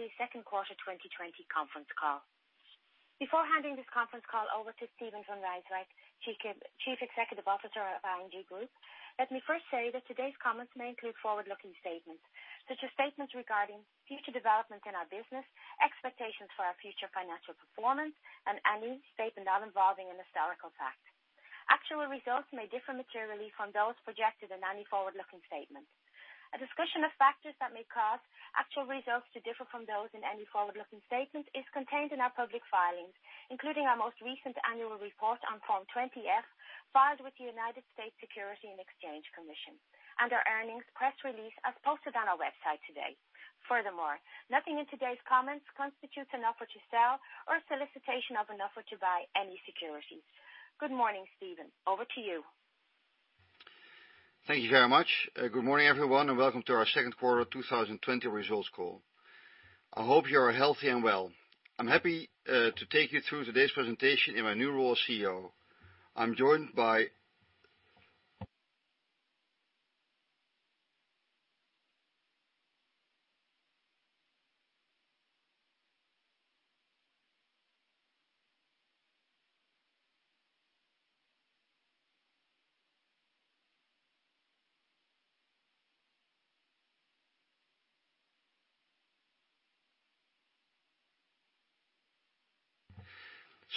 The second quarter 2020 conference call. Before handing this conference call over to Steven van Rijswijk, Chief Executive Officer of ING Groep, let me first say that today's comments may include forward-looking statements, such as statements regarding future developments in our business, expectations for our future financial performance, and any statement not involving an historical fact. Actual results may differ materially from those projected in any forward-looking statement. A discussion of factors that may cause actual results to differ from those in any forward-looking statement is contained in our public filings, including our most recent annual report on Form 20-F, filed with the United States Securities and Exchange Commission, and our earnings press release as posted on our website today. Furthermore, nothing in today's comments constitutes an offer to sell or a solicitation of an offer to buy any securities. Good morning, Steven. Over to you. Thank you very much. Good morning, everyone, and welcome to our second quarter 2020 results call. I hope you are healthy and well. I'm happy to take you through today's presentation in my new role as CEO. I'm joined by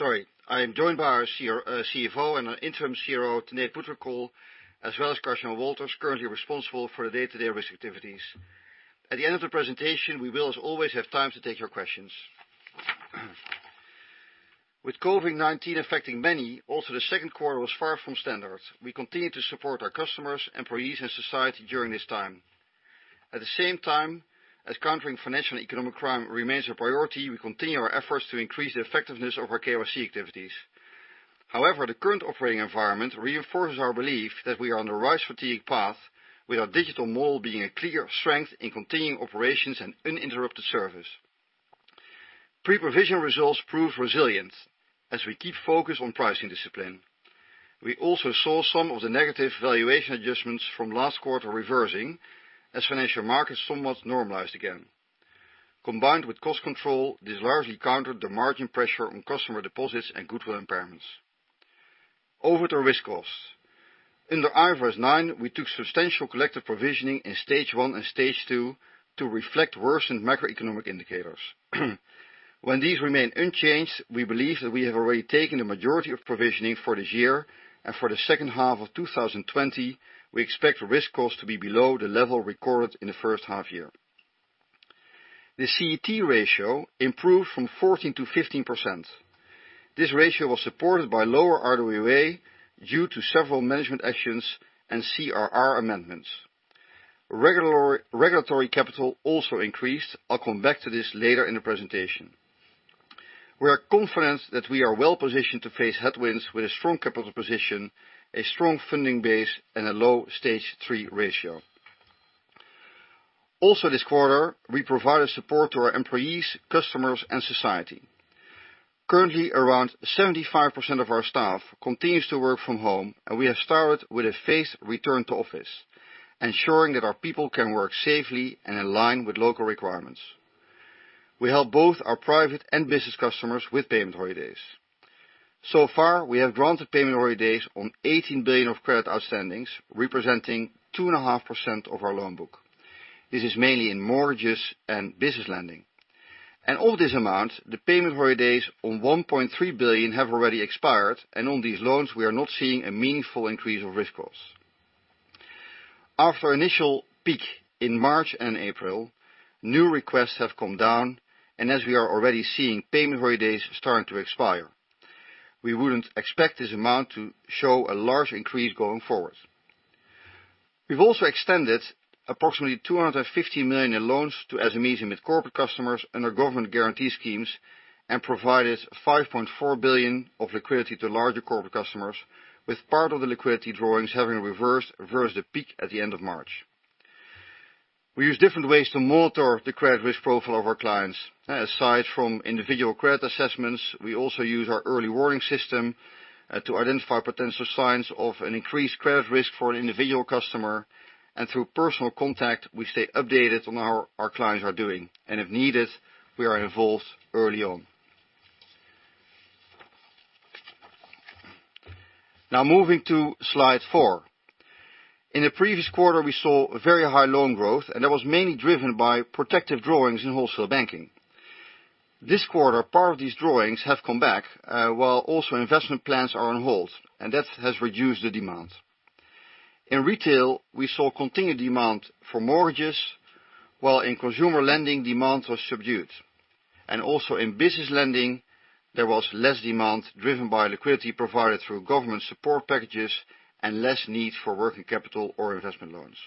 our CFO and our interim CRO, Tanate Phutrakul, as well as Karst Jan Wolters, currently responsible for the day-to-day risk activities. At the end of the presentation, we will as always have time to take your questions. With COVID-19 affecting many, also the second quarter was far from standard. We continued to support our customers, employees, and society during this time. At the same time, as countering financial and economic crime remains a priority, we continue our efforts to increase the effectiveness of our KYC activities. However, the current operating environment reinforces our belief that we are on the right strategic path with our digital model being a clear strength in continuing operations and uninterrupted service. Pre-provision results prove resilient as we keep focused on pricing discipline. We also saw some of the negative valuation adjustments from last quarter reversing as financial markets somewhat normalized again. Combined with cost control, this largely countered the margin pressure on customer deposits and goodwill impairments. Over to risk costs. Under IFRS 9, we took substantial collective provisioning in Stage 1 and Stage 2 to reflect worsened macroeconomic indicators. When these remain unchanged, we believe that we have already taken the majority of provisioning for this year, and for the second half of 2020, we expect risk costs to be below the level recorded in the first half year. The CET ratio improved from 14% to 15%. This ratio was supported by lower RWA due to several management actions and CRR amendments. Regulatory capital also increased. I'll come back to this later in the presentation. We are confident that we are well-positioned to face headwinds with a strong capital position, a strong funding base, and a low Stage 3 ratio. Also this quarter, we provided support to our employees, customers, and society. Currently, around 75% of our staff continues to work from home, and we have started with a phased return to office, ensuring that our people can work safely and in line with local requirements. We help both our private and business customers with payment holidays. So far, we have granted payment holidays on 18 billion of credit outstandings, representing two and a half% of our loan book. This is mainly in mortgages and business lending. Of this amount, the payment holidays on 1.3 billion have already expired, and on these loans, we are not seeing a meaningful increase of risk costs. After initial peak in March and April, new requests have come down, and as we are already seeing payment holidays starting to expire, we wouldn't expect this amount to show a large increase going forward. We've also extended approximately 250 million in loans to SMEs and with corporate customers under government guarantee schemes and provided 5.4 billion of liquidity to larger corporate customers, with part of the liquidity drawings having reversed versus the peak at the end of March. We use different ways to monitor the credit risk profile of our clients. Aside from individual credit assessments, we also use our early warning system to identify potential signs of an increased credit risk for an individual customer, and through personal contact, we stay updated on how our clients are doing, and if needed, we are involved early on. Now, moving to slide four. In the previous quarter, we saw very high loan growth, and that was mainly driven by protective drawings in wholesale banking. This quarter, part of these drawings have come back, while also investment plans are on hold, and that has reduced the demand. In retail, we saw continued demand for mortgages, while in consumer lending, demand was subdued. And also in business lending, there was less demand driven by liquidity provided through government support packages and less need for working capital or investment loans.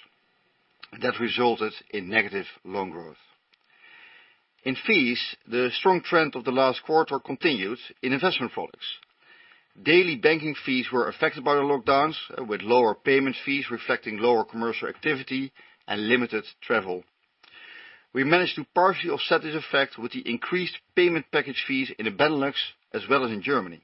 That resulted in negative loan growth. In fees, the strong trend of the last quarter continued in investment products. Daily banking fees were affected by the lockdowns, with lower payment fees reflecting lower commercial activity and limited travel. We managed to partially offset this effect with the increased payment package fees in the Benelux as well as in Germany.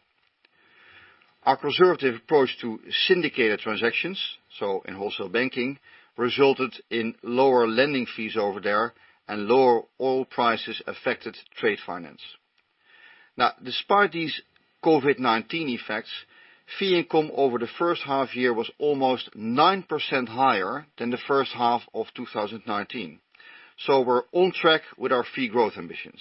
Our conservative approach to syndicated transactions, so in wholesale banking, resulted in lower lending fees over there and lower oil prices affected trade finance. Despite these COVID-19 effects, fee income over the first half year was almost 9% higher than the first half of 2019. We're on track with our fee growth ambitions.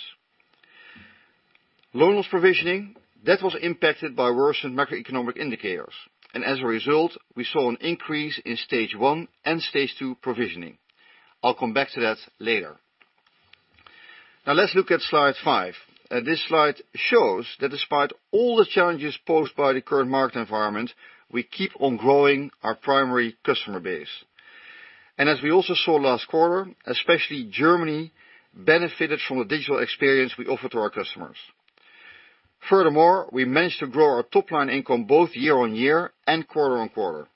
Loan loss provisioning, that was impacted by worsened macroeconomic indicators, and as a result, we saw an increase in Stage 1 and Stage 2 provisioning. I'll come back to that later. Let's look at slide five. This slide shows that despite all the challenges posed by the current market environment, we keep on growing our primary customer base. As we also saw last quarter, especially Germany benefited from the digital experience we offer to our customers. Furthermore, we managed to grow our top-line income both year-over-year and quarter-over-quarter.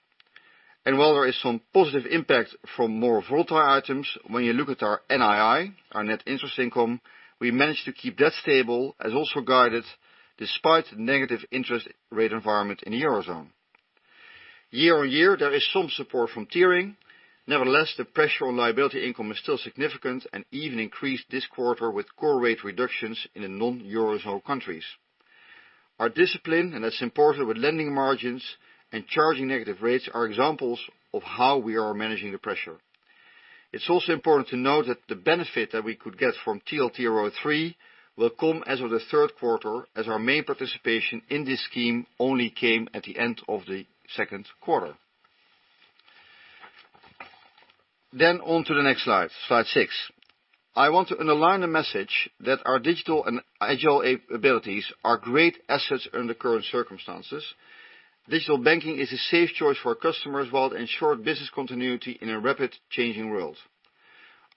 While there is some positive impact from more volatile items, when you look at our NII, our net interest income, we managed to keep that stable as also guided, despite the negative interest rate environment in the Eurozone. Year-over-year, there is some support from tiering. Nevertheless, the pressure on liability income is still significant and even increased this quarter with core rate reductions in the non-Eurozone countries. Our discipline, and that's important with lending margins and charging negative rates, are examples of how we are managing the pressure. It is also important to note that the benefit that we could get from TLTRO III will come as of the third quarter as our main participation in this scheme only came at the end of the second quarter. On to the next slide six. I want to underline the message that our digital and agile abilities are great assets under current circumstances. Digital banking is a safe choice for our customers while it ensured business continuity in a rapid changing world.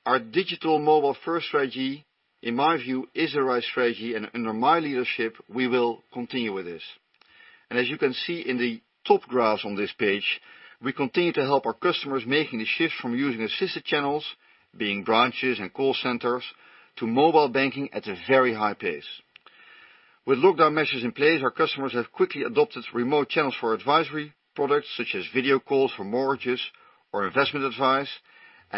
Our digital mobile-first strategy, in my view, is the right strategy. Under my leadership, we will continue with this. As you can see in the top graphs on this page, we continue to help our customers making the shift from using assisted channels, being branches and call centers, to mobile banking at a very high pace. With lockdown measures in place, our customers have quickly adopted remote channels for advisory products, such as video calls for mortgages or investment advice.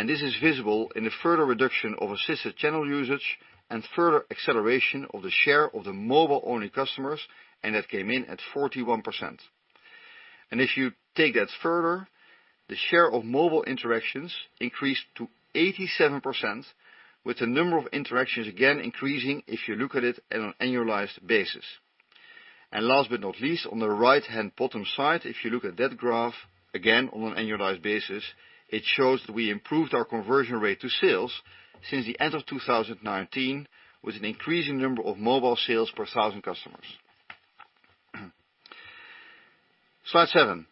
This is visible in a further reduction of assisted channel usage and further acceleration of the share of the mobile-only customers, and that came in at 41%. If you take that further, the share of mobile interactions increased to 87%, with the number of interactions again increasing if you look at it on an annualized basis. Last but not least, on the right-hand bottom side, if you look at that graph, again on an annualized basis, it shows that we improved our conversion rate to sales since the end of 2019, with an increasing number of mobile sales per thousand customers. Slide seven,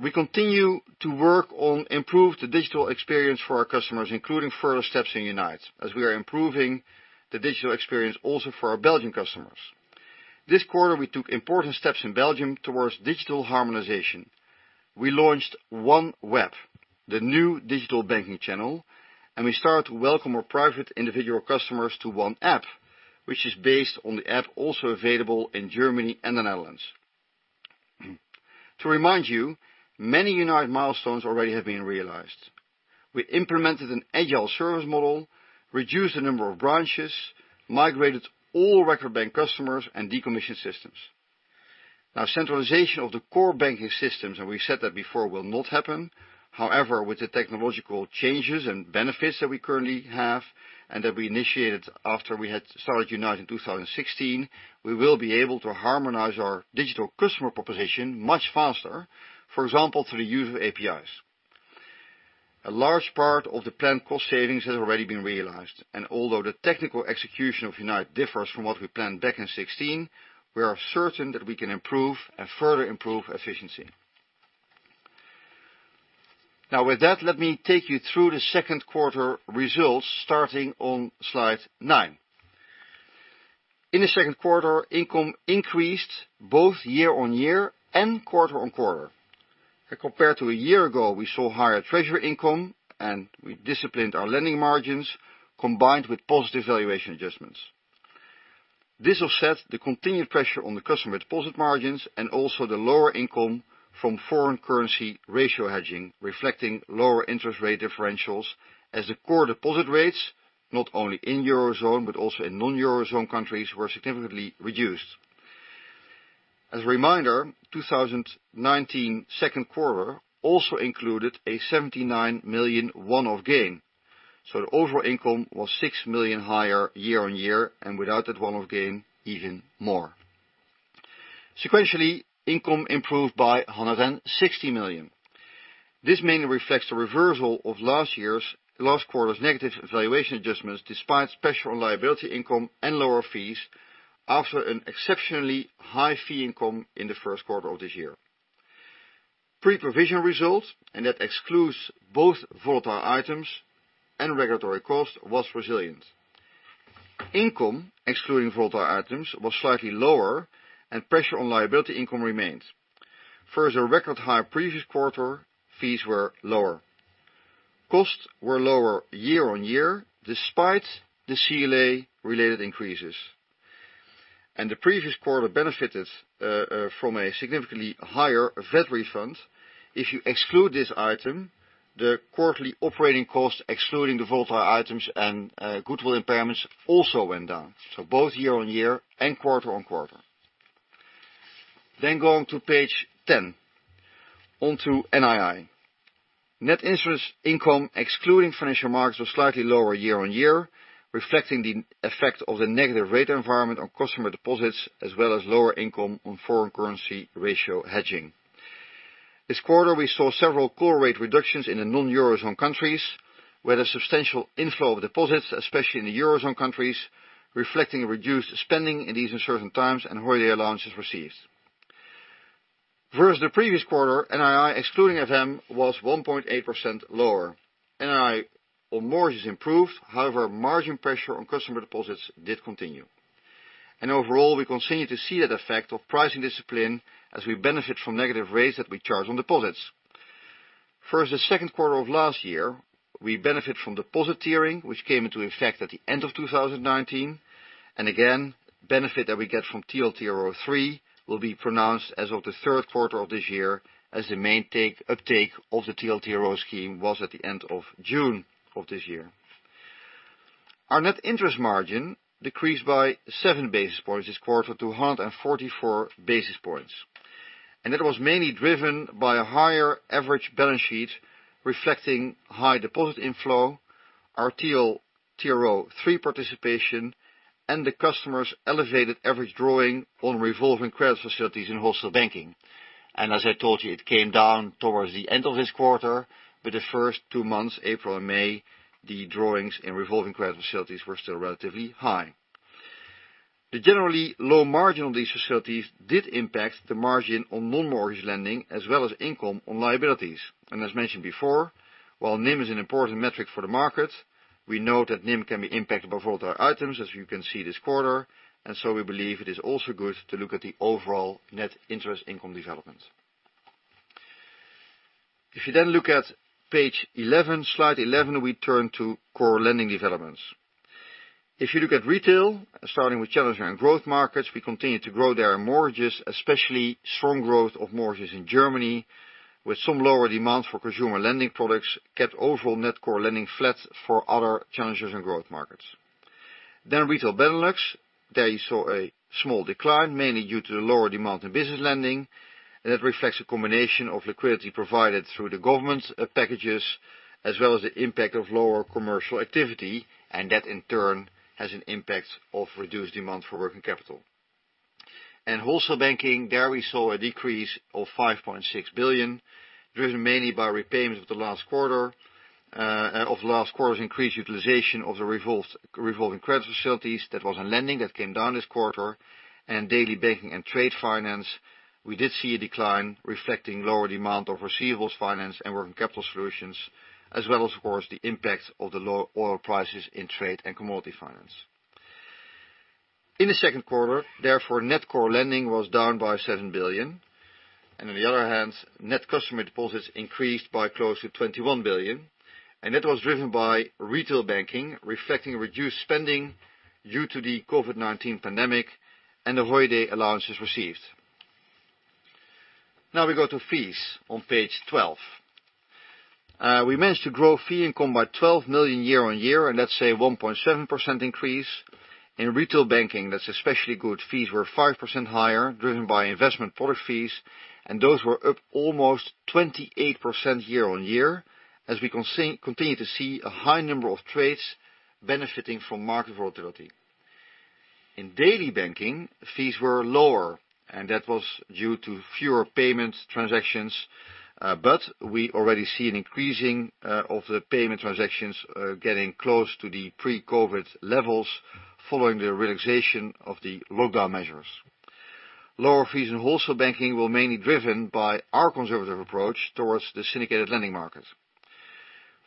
we continue to work to improve the digital experience for our customers, including further steps in Unite, as we are improving the digital experience also for our Belgian customers. This quarter, we took important steps in Belgium towards digital harmonization. We launched OneWeb, the new digital banking channel, and we started to welcome our private individual customers to OneApp, which is based on the app also available in Germany and the Netherlands. To remind you, many Unite milestones already have been realized. We implemented an agile service model, reduced the number of branches, migrated all Record Bank customers, and decommissioned systems. Centralization of the core banking systems, and we said that before, will not happen. With the technological changes and benefits that we currently have and that we initiated after we had started Unite in 2016, we will be able to harmonize our digital customer proposition much faster. For example, through the use of APIs. Although the technical execution of Unite differs from what we planned back in 2016, we are certain that we can improve and further improve efficiency. With that, let me take you through the second quarter results starting on slide nine. In the second quarter, income increased both year-on-year and quarter-on-quarter. Compared to a year ago, we saw higher treasury income. We disciplined our lending margins combined with positive valuation adjustments. This offsets the continued pressure on the customer deposit margins and also the lower income from foreign currency ratio hedging, reflecting lower interest rate differentials as the core deposit rates, not only in Eurozone but also in non-Eurozone countries, were significantly reduced. As a reminder, 2019 second quarter also included a 79 million one-off gain. The overall income was 6 million higher year-on-year, and without that one-off gain, even more. Sequentially, income improved by 160 million. This mainly reflects the reversal of last quarter's negative valuation adjustments despite pressure on liability income and lower fees after an exceptionally high fee income in the first quarter of this year. Pre-provision results, and that excludes both volatile items and regulatory cost, was resilient. Income, excluding volatile items, was slightly lower. Pressure on liability income remained. First, our record high previous quarter fees were lower. Costs were lower year-on-year despite the CLA-related increases. The previous quarter benefited from a significantly higher VAT refund. If you exclude this item, the quarterly operating costs, excluding the volatile items and goodwill impairments, also went down. Both year-on-year and quarter-on-quarter. Going to page 10, onto NII. Net interest income, excluding financial markets, was slightly lower year-on-year, reflecting the effect of the negative rate environment on customer deposits as well as lower income on foreign currency ratio hedging. This quarter, we saw several core rate reductions in the non-Eurozone countries with a substantial inflow of deposits, especially in the Eurozone countries, reflecting reduced spending in these uncertain times and holiday allowances received. Versus the previous quarter, NII, excluding FM, was 1.8% lower. NII on mortgage improved, however, margin pressure on customer deposits did continue. Overall, we continue to see that effect of pricing discipline as we benefit from negative rates that we charge on deposits. Versus the second quarter of last year, we benefit from deposit tiering, which came into effect at the end of 2019, and again, benefit that we get from TLTRO III will be pronounced as of the third quarter of this year as the main uptake of the TLTRO scheme was at the end of June of this year. Our net interest margin decreased by seven basis points this quarter to 144 basis points. That was mainly driven by a higher average balance sheet reflecting high deposit inflow, our TLTRO III participation, and the customer's elevated average drawing on revolving credit facilities in wholesale banking. As I told you, it came down towards the end of this quarter, but the first two months, April and May, the drawings in revolving credit facilities were still relatively high. The generally low margin on these facilities did impact the margin on non-mortgage lending as well as income on liabilities. As mentioned before, while NIM is an important metric for the market, we know that NIM can be impacted by volatile items, as you can see this quarter. We believe it is also good to look at the overall net interest income development. If you look at page 11, slide 11, we turn to core lending developments. If you look at retail, starting with challenger and growth markets, we continue to grow there in mortgages, especially strong growth of mortgages in Germany with some lower demand for consumer lending products, kept overall net core lending flat for other challenges and growth markets. Retail Benelux, there you saw a small decline, mainly due to the lower demand in business lending. That reflects a combination of liquidity provided through the government packages as well as the impact of lower commercial activity, and that in turn has an impact of reduced demand for working capital. In wholesale banking, there we saw a decrease of 5.6 billion, driven mainly by repayments of the last quarter's increased utilization of the revolving credit facilities. That wasn't lending, that came down this quarter. Daily banking and trade finance, we did see a decline reflecting lower demand of receivables finance and working capital solutions, as well as, of course, the impact of the low oil prices in trade and commodity finance. In the second quarter, therefore, net core lending was down by 7 billion, and on the other hand, net customer deposits increased by close to 21 billion. That was driven by retail banking, reflecting reduced spending due to the COVID-19 pandemic and the holiday allowances received. Now we go to fees on page 12. We managed to grow fee income by 12 million year-on-year, and let's say 1.7% increase. In retail banking, that's especially good. Fees were 5% higher, driven by investment product fees, and those were up almost 28% year-on-year as we continue to see a high number of trades benefiting from market volatility. In daily banking, fees were lower, and that was due to fewer payment transactions. We already see an increasing of the payment transactions getting close to the pre-COVID levels following the relaxation of the lockdown measures. Lower fees in wholesale banking were mainly driven by our conservative approach towards the syndicated lending market.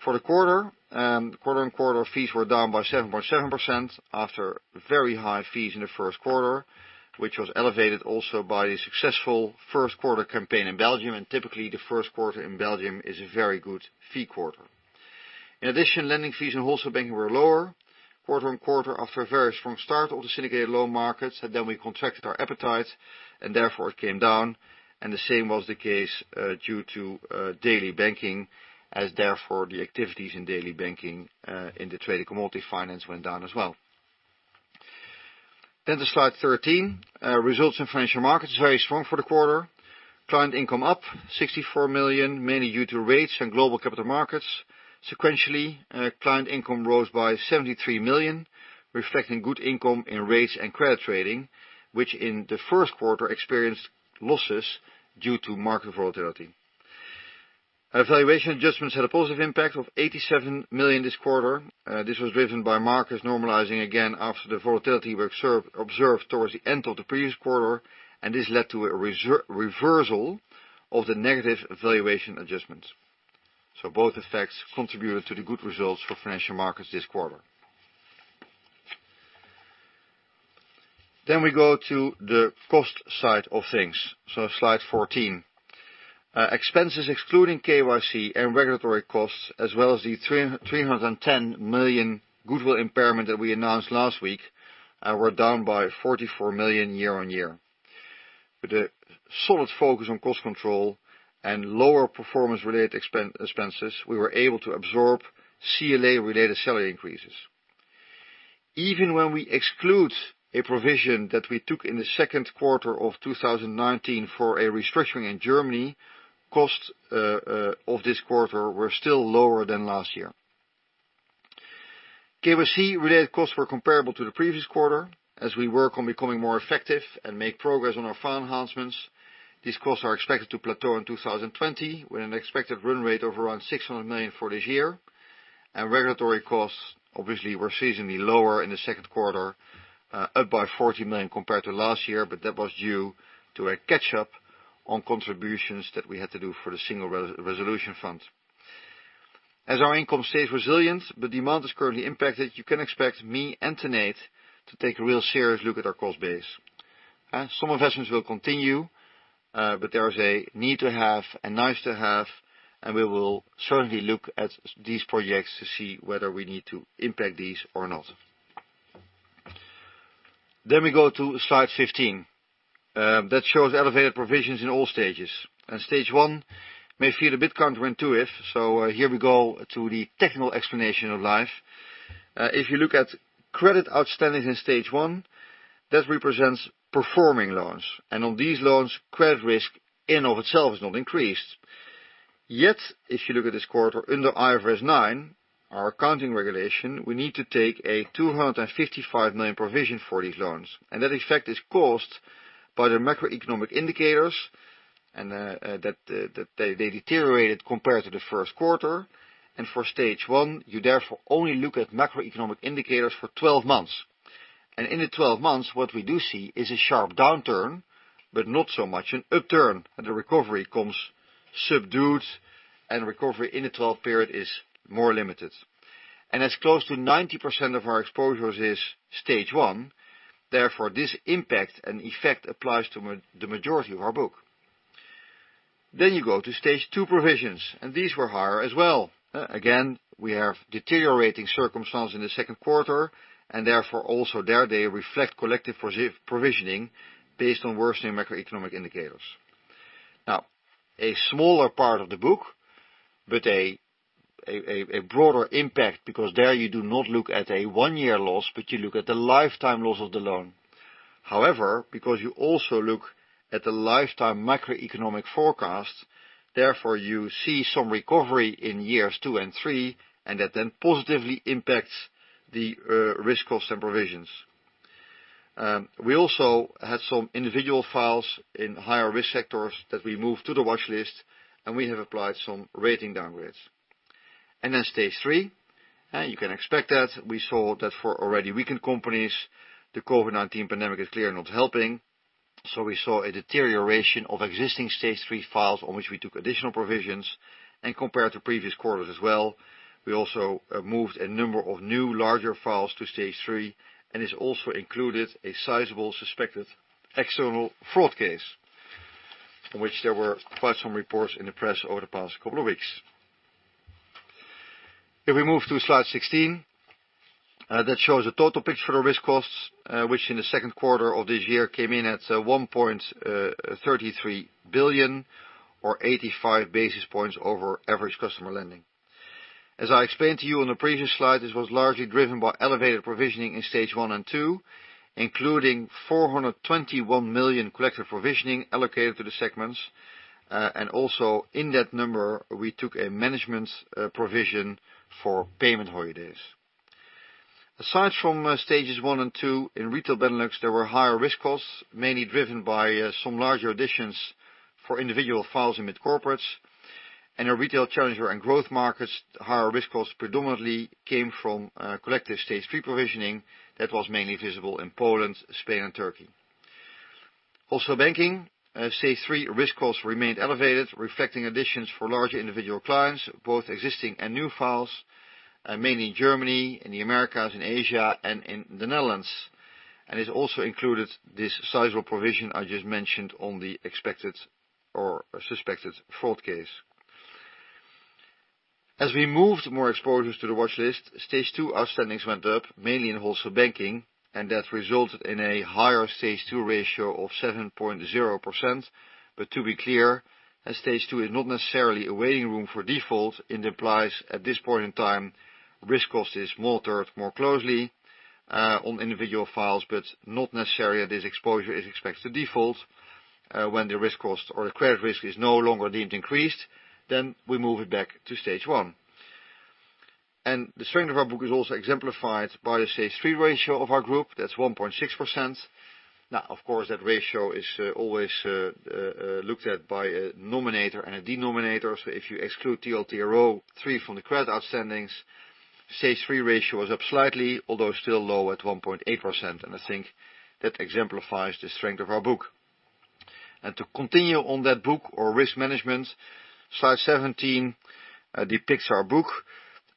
For the quarter-on-quarter fees were down by 7.7% after very high fees in the first quarter, which was elevated also by the successful first quarter campaign in Belgium. Typically, the first quarter in Belgium is a very good fee quarter. In addition, lending fees in wholesale banking were lower quarter-on-quarter after a very strong start of the syndicated loan markets. We contracted our appetite, therefore it came down. The same was the case due to daily banking as therefore the activities in daily banking in the trade and commodity finance went down as well. To slide 13, results in financial markets is very strong for the quarter. Client income up 64 million, mainly due to rates and global capital markets. Sequentially, client income rose by 73 million, reflecting good income in rates and credit trading, which in the first quarter experienced losses due to market volatility. Our valuation adjustments had a positive impact of 87 million this quarter. This was driven by markets normalizing again after the volatility observed towards the end of the previous quarter, and this led to a reversal of the negative valuation adjustments. Both effects contributed to the good results for financial markets this quarter. We go to the cost side of things. Slide 14. Expenses excluding KYC and regulatory costs, as well as the 310 million goodwill impairment that we announced last week, were down by 44 million year-on-year. With a solid focus on cost control and lower performance-related expenses, we were able to absorb CLA-related salary increases. Even when we exclude a provision that we took in the second quarter of 2019 for a restructuring in Germany, costs of this quarter were still lower than last year. KYC-related costs were comparable to the previous quarter. As we work on becoming more effective and make progress on our file enhancements, these costs are expected to plateau in 2020, with an expected run rate of around 600 million for this year. Regulatory costs obviously were seasonally lower in the second quarter, up by 40 million compared to last year, but that was due to a catch-up on contributions that we had to do for the Single Resolution Fund. As our income stays resilient, but demand is currently impacted, you can expect me and Tanate to take a real serious look at our cost base. Some investments will continue. There is a need to have and nice to have, we will certainly look at these projects to see whether we need to impact these or not. We go to slide 15. That shows elevated provisions in all stages. Stage 1 may feel a bit counterintuitive. Here we go to the technical explanation of life. If you look at credit outstandings in Stage 1, that represents performing loans. On these loans, credit risk in and of itself has not increased. Yet, if you look at this quarter, under IFRS 9, our accounting regulation, we need to take a 255 million provision for these loans. That effect is caused by the macroeconomic indicators, and that they deteriorated compared to the first quarter. For Stage 1, you therefore only look at macroeconomic indicators for 12 months. In the 12 months, what we do see is a sharp downturn, but not so much an upturn. The recovery comes subdued, and recovery in the 12-period is more limited. As close to 90% of our exposures is Stage 1, therefore, this impact and effect applies to the majority of our book. You go to Stage 2 provisions, and these were higher as well. We have deteriorating circumstances in the second quarter, and therefore also there they reflect collective provisioning based on worsening macroeconomic indicators. A smaller part of the book, but a broader impact, because there you do not look at a one-year loss, but you look at the lifetime loss of the loan. Because you also look at the lifetime macroeconomic forecast, therefore you see some recovery in years two and three, and that then positively impacts the risk costs and provisions. We also had some individual files in higher-risk sectors that we moved to the watch list, and we have applied some rating downgrades. Then Stage 3. You can expect that we saw that for already weakened companies, the COVID-19 pandemic is clearly not helping. We saw a deterioration of existing Stage 3 files on which we took additional provisions. Compared to previous quarters as well, we also moved a number of new, larger files to Stage 3, and this also included a sizable suspected external fraud case, in which there were quite some reports in the press over the past couple of weeks. If we move to slide 16, that shows the total picture for risk costs, which in the second quarter of this year came in at 1.33 billion or 85 basis points over average customer lending. As I explained to you on the previous slide, this was largely driven by elevated provisioning in Stage 1 and 2, including 421 million collective provisioning allocated to the segments. Also in that number, we took a management provision for payment holidays. Aside from Stages 1 and 2, in Retail Benelux, there were higher risk costs, mainly driven by some larger additions for individual files in mid-corporates. Our Retail Challenger and Growth markets, higher risk costs predominantly came from collective Stage 3 provisioning that was mainly visible in Poland, Spain, and Turkey. Wholesale Banking, Stage 3 risk costs remained elevated, reflecting additions for larger individual clients, both existing and new files, mainly in Germany, in the Americas, in Asia, and in the Netherlands. This also included this sizable provision I just mentioned on the expected or suspected fraud case. As we moved more exposures to the watch list, Stage 2 outstandings went up, mainly in Wholesale Banking, and that resulted in a higher Stage 2 ratio of 7.0%. To be clear, Stage 2 is not necessarily a waiting room for default. It implies at this point in time, risk cost is monitored more closely on individual files, but not necessarily that this exposure is expected to default. When the risk cost or the credit risk is no longer deemed increased, we move it back to Stage 1. The strength of our book is also exemplified by the Stage 3 ratio of our group. That's 1.6%. Of course, that ratio is always looked at by a nominator and a denominator. If you exclude TLTRO III from the credit outstandings, Stage 3 ratio is up slightly, although still low at 1.8%. I think that exemplifies the strength of our book. To continue on that book or risk management, slide 17 depicts our book.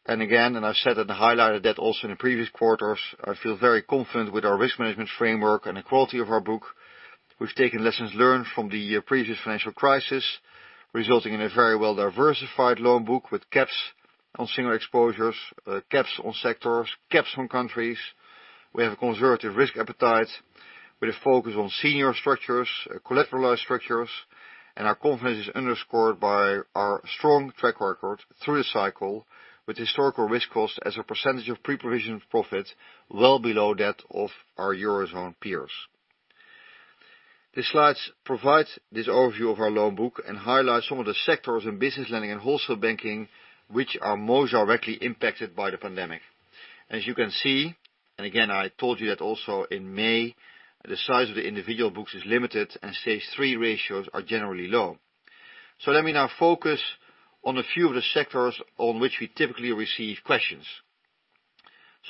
Again, and I've said and highlighted that also in the previous quarters, I feel very confident with our risk management framework and the quality of our book. We've taken lessons learned from the previous financial crisis, resulting in a very well-diversified loan book with caps on single exposures, caps on sectors, caps on countries. We have a conservative risk appetite with a focus on senior structures, collateralized structures, our confidence is underscored by our strong track record through the cycle, with historical risk cost as a percentage of pre-provision profit well below that of our Eurozone peers. This slide provides this overview of our loan book and highlights some of the sectors in business lending and wholesale banking, which are most directly impacted by the pandemic. As you can see, again, I told you that also in May, the size of the individual books is limited and Stage 3 ratios are generally low. Let me now focus on a few of the sectors on which we typically receive questions.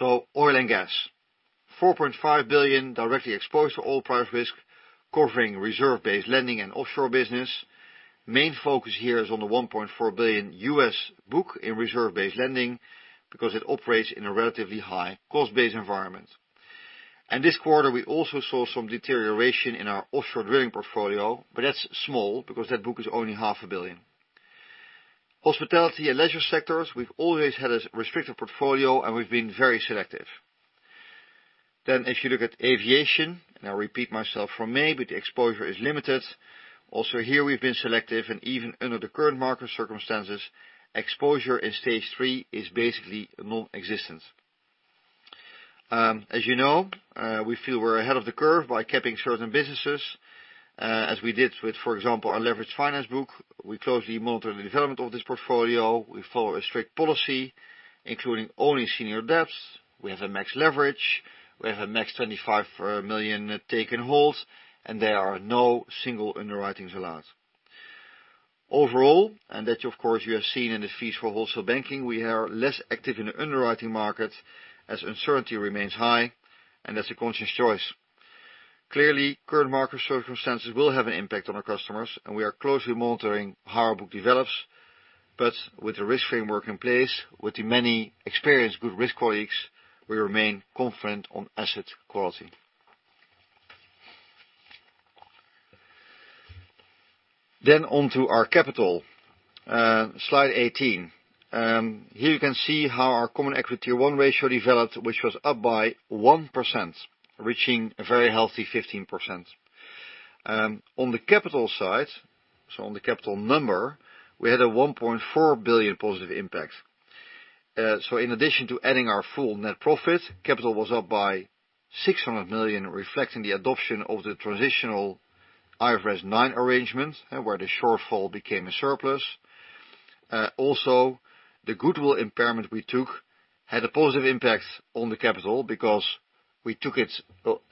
Oil and gas. 4.5 billion directly exposed to oil price risk, covering reserve-based lending and offshore business. Main focus here is on the 1.4 billion U.S. book in reserve-based lending, because it operates in a relatively high cost-based environment. This quarter, we also saw some deterioration in our offshore drilling portfolio, but that's small because that book is only EUR half a billion. Hospitality and leisure sectors, we've always had a restrictive portfolio, and we've been very selective. If you look at aviation, and I repeat myself from May, but the exposure is limited. Also here we've been selective and even under the current market circumstances, exposure in Stage 3 is basically non-existent. As you know, we feel we're ahead of the curve by capping certain businesses, as we did with, for example, our leveraged finance book. We closely monitor the development of this portfolio. We follow a strict policy, including only senior debts. We have a max leverage. We have a max 25 million take and hold. There are no single underwriting allowed. Overall, that of course, you have seen in the fees for wholesale banking, we are less active in the underwriting market as uncertainty remains high, and that's a conscious choice. Clearly, current market circumstances will have an impact on our customers, and we are closely monitoring how our book develops. With the risk framework in place, with the many experienced good risk colleagues, we remain confident on asset quality. On to our capital. Slide 18. Here you can see how our common equity 1 ratio developed, which was up by 1%, reaching a very healthy 15%. On the capital side, on the capital number, we had a 1.4 billion positive impact. In addition to adding our full net profit, capital was up by 600 million, reflecting the adoption of the transitional IFRS 9 arrangement, where the shortfall became a surplus. The goodwill impairment we took had a positive impact on the capital because we took it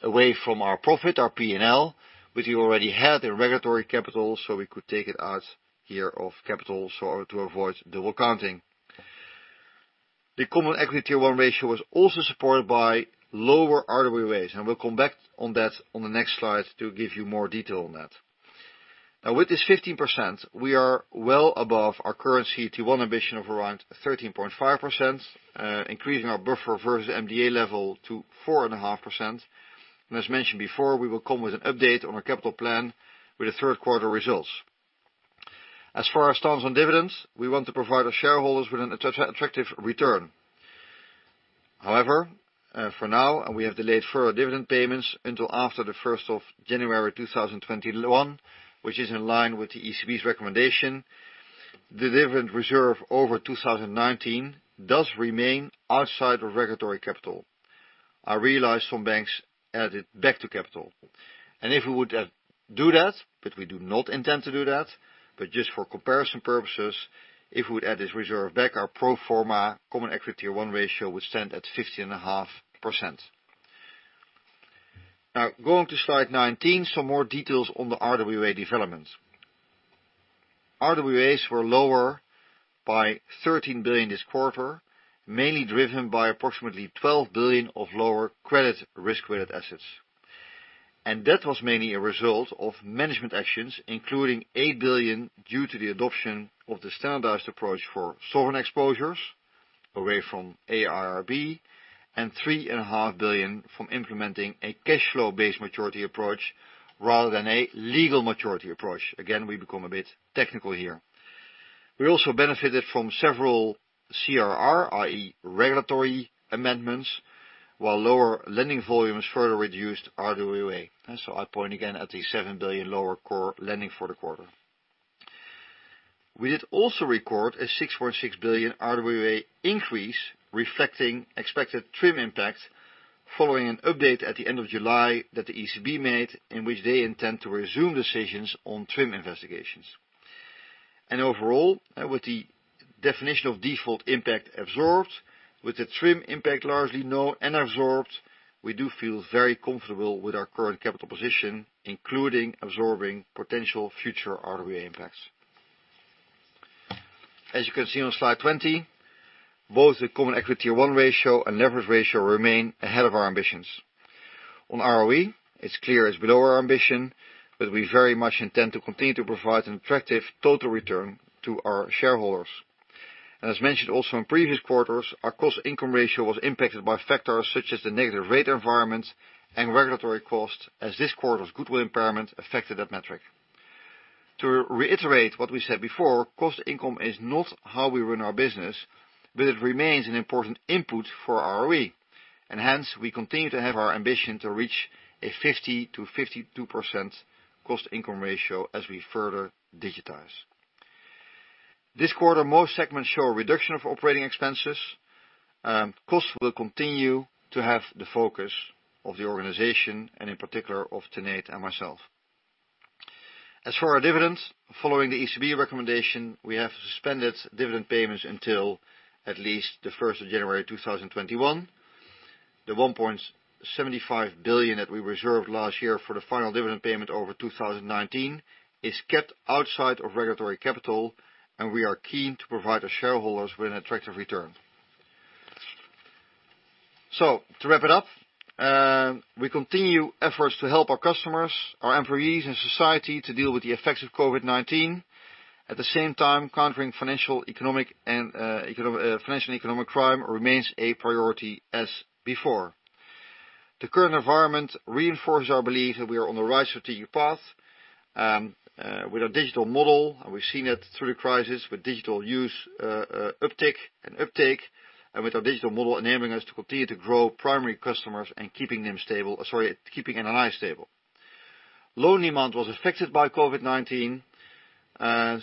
away from our profit, our P&L, which we already had in regulatory capital, so we could take it out here of capital, so to avoid double counting. The Common Equity Tier 1 ratio was also supported by lower RWA, and we'll come back on that on the next slide to give you more detail on that. Now with this 15%, we are well above our current CET1 ambition of around 13.5%, increasing our buffer versus MDA level to 4.5%. As mentioned before, we will come with an update on our capital plan with the third quarter results. As far as stance on dividends, we want to provide our shareholders with an attractive return. However, for now, we have delayed further dividend payments until after the 1st of January 2021, which is in line with the ECB's recommendation. The dividend reserve over 2019 does remain outside of regulatory capital. I realize some banks add it back to capital. If we would do that, but we do not intend to do that, but just for comparison purposes, if we would add this reserve back, our pro forma common equity 1 ratio would stand at 15.5%. Now, going to slide 19, some more details on the RWA developments. RWAs were lower by 13 billion this quarter, mainly driven by approximately 12 billion of lower credit risk-weighted assets. That was mainly a result of management actions, including 8 billion due to the adoption of the standardized approach for sovereign exposures away from AIRB, and 3.5 billion from implementing a cash flow-based maturity approach rather than a legal maturity approach. Again, we become a bit technical here. We also benefited from several CRR, i.e., regulatory amendments, while lower lending volumes further reduced RWA. I point again at the 7 billion lower core lending for the quarter. We did also record a 6.6 billion RWA increase reflecting expected TRIM impact following an update at the end of July that the ECB made in which they intend to resume decisions on TRIM investigations. Overall, with the Definition of Default impact absorbed, with the TRIM impact largely known and absorbed, we do feel very comfortable with our current capital position, including absorbing potential future RWA impacts. As you can see on slide 20, both the CET1 ratio and leverage ratio remain ahead of our ambitions. On ROE, it's clear it's below our ambition, but we very much intend to continue to provide an attractive total return to our shareholders. As mentioned also in previous quarters, our cost-income ratio was impacted by factors such as the negative rate environment and regulatory costs as this quarter's goodwill impairment affected that metric. To reiterate what we said before, cost income is not how we run our business, but it remains an important input for ROE, hence we continue to have our ambition to reach a 50%-52% cost-income ratio as we further digitize. This quarter, most segments show a reduction of operating expenses. Costs will continue to have the focus of the organization and in particular of Tanate and myself. For our dividends, following the ECB recommendation, we have suspended dividend payments until at least the 1st of January 2021. The 1.75 billion that we reserved last year for the final dividend payment over 2019 is kept outside of regulatory capital. We are keen to provide our shareholders with an attractive return. To wrap it up, we continue efforts to help our customers, our employees, and society to deal with the effects of COVID-19. At the same time, countering financial, economic crime remains a priority as before. The current environment reinforces our belief that we are on the right strategic path with our digital model. We've seen it through the crisis with digital use uptick and uptake, and with our digital model enabling us to continue to grow primary customers and keeping NII stable. Loan demand was affected by COVID-19.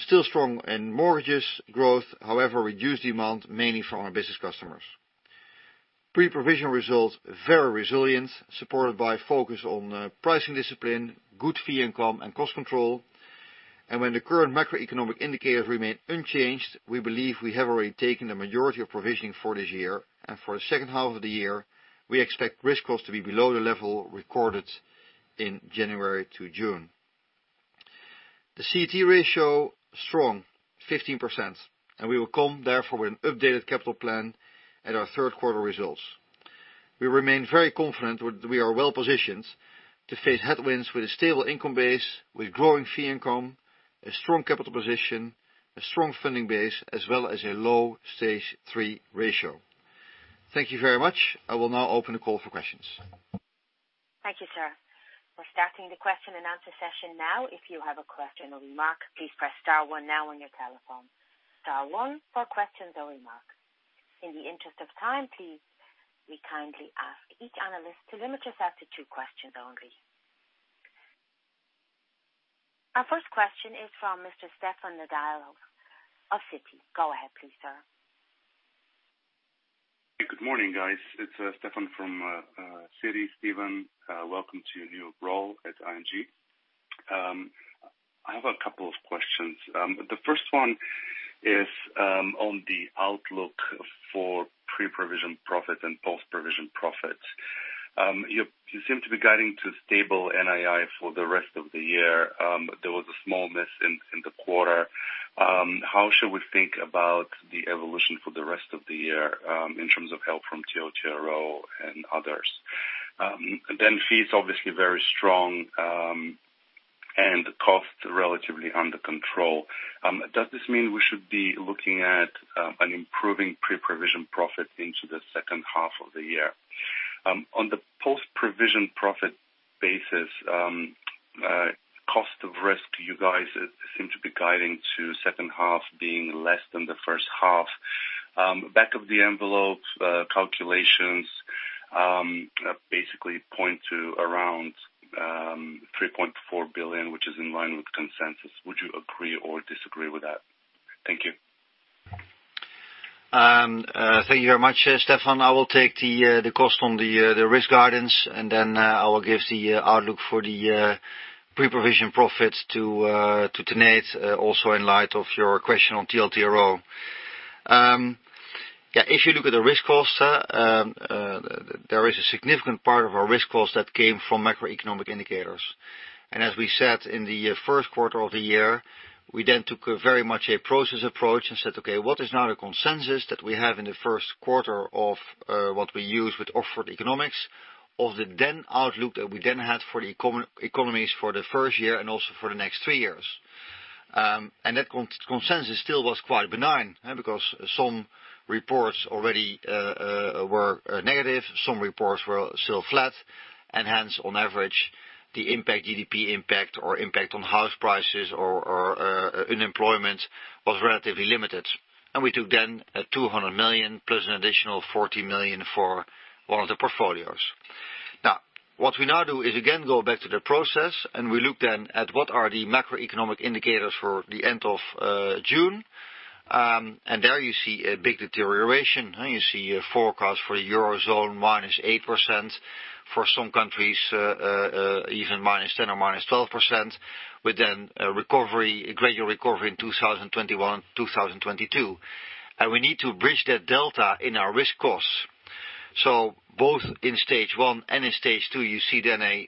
Still strong in mortgages growth, however, reduced demand mainly from our business customers. Pre-provision results very resilient, supported by focus on pricing discipline, good fee income, and cost control. When the current macroeconomic indicators remain unchanged, we believe we have already taken the majority of provisioning for this year. For the second half of the year, we expect risk costs to be below the level recorded in January to June. The CET ratio strong 15%. We will come therefore with an updated capital plan at our third-quarter results. We remain very confident we are well-positioned to face headwinds with a stable income base, with growing fee income, a strong capital position, a strong funding base, as well as a low Stage 3 ratio. Thank you very much. I will now open the call for questions. Thank you, sir. We're starting the question and answer session now. If you have a question or remark, please press star one now on your telephone, star one for questions or remarks. In the interest of time, please, we kindly ask each analyst to limit yourself to two questions only. Our first question is from Mr. Stefan Nedialkov of Citi. Go ahead please, sir. Good morning, guys. It's Stefan from Citi. Steven, welcome to your new role at ING. I have a couple of questions. The first one is on the outlook for pre-provision profits and post-provision profits. You seem to be guiding to stable NII for the rest of the year. There was a small miss in the quarter. How should we think about the evolution for the rest of the year, in terms of help from TLTRO and others? Fees obviously very strong, and costs are relatively under control. Does this mean we should be looking at an improving pre-provision profit into the second half of the year? On the post-provision profit basis, cost of risk, you guys seem to be guiding to second half being less than the first half. Back of the envelope calculations basically point to around 3.4 billion, which is in line with consensus. Would you agree or disagree with that? Thank you. Thank you very much, Stefan. I will take the cost on the risk guidance, and then I will give the outlook for the pre-provision profits to Tanate, also in light of your question on TLTRO. If you look at the risk costs, there is a significant part of our risk cost that came from macroeconomic indicators. As we said in the first quarter of the year, we then took very much a process approach and said, okay, what is now the consensus that we have in the first quarter of what we use with Oxford Economics of the then outlook that we then had for the economies for the first year and also for the next three years? That consensus still was quite benign because some reports already were negative, some reports were still flat, and hence on average, the impact, GDP impact or impact on house prices or unemployment was relatively limited. We took then 200 million plus an additional 40 million for one of the portfolios. What we now do is again, go back to the process and we look then at what are the macroeconomic indicators for the end of June. There you see a big deterioration. You see a forecast for the Eurozone -8%, for some countries, even -10% or -12%, with then a gradual recovery in 2021, 2022. We need to bridge that delta in our risk costs. Both in Stage 1 and in Stage 2, you see then a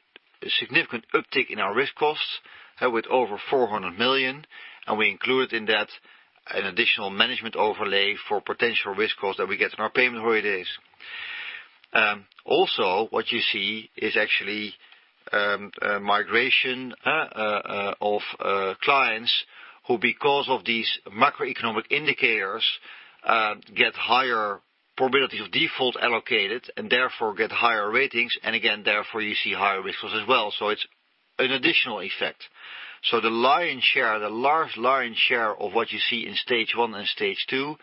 significant uptick in our risk costs with over 400 million, and we include in that an additional management overlay for potential risk costs that we get in our payment holidays. What you see is actually migration of clients who, because of these macroeconomic indicators, get higher probability of default allocated and therefore get higher ratings. Again, therefore you see higher risk costs as well. It's an additional effect. The large lion's share of what you see in Stage 1 and Stage 2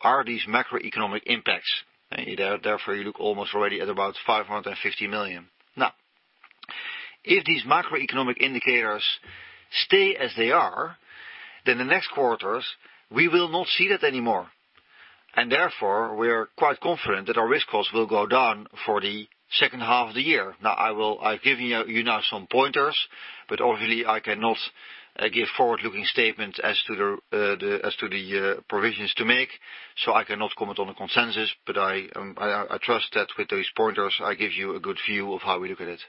are these macroeconomic impacts. You look almost already at about 550 million. If these macroeconomic indicators stay as they are, then the next quarters, we will not see that anymore. Therefore, we are quite confident that our risk costs will go down for the second half of the year. Now, I've given you now some pointers, obviously I cannot give forward-looking statements as to the provisions to make, I cannot comment on the consensus. I trust that with those pointers, I give you a good view of how we look at it.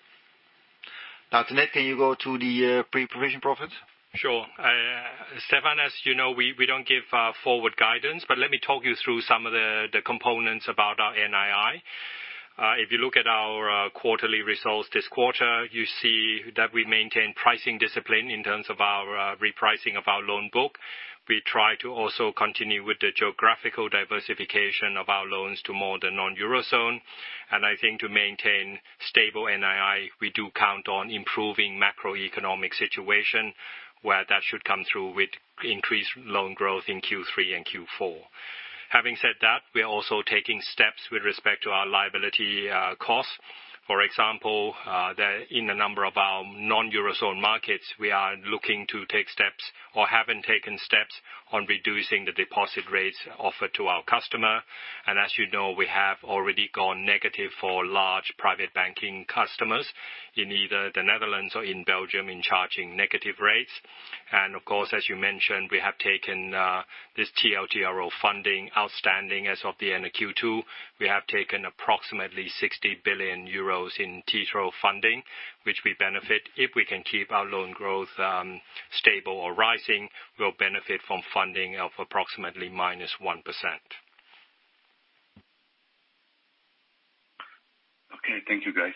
Now, Tanate, can you go to the pre-provision profit? Sure. Stefan, as you know, we don't give forward guidance, but let me talk you through some of the components about our NII. If you look at our quarterly results this quarter, you see that we maintain pricing discipline in terms of our repricing of our loan book. We try to also continue with the geographical diversification of our loans to more the non-Eurozone. I think to maintain stable NII, we do count on improving macroeconomic situation, where that should come through with increased loan growth in Q3 and Q4. Having said that, we are also taking steps with respect to our liability costs. For example, in a number of our non-Eurozone markets, we are looking to take steps or have been taking steps on reducing the deposit rates offered to our customer. As you know, we have already gone negative for large private banking customers in either the Netherlands or in Belgium in charging negative rates. Of course, as you mentioned, we have taken this TLTRO funding outstanding as of the end of Q2. We have taken approximately 60 billion euros in TLTRO funding, which we benefit. If we can keep our loan growth stable or rising, we'll benefit from funding of approximately minus 1%. Okay. Thank you, guys.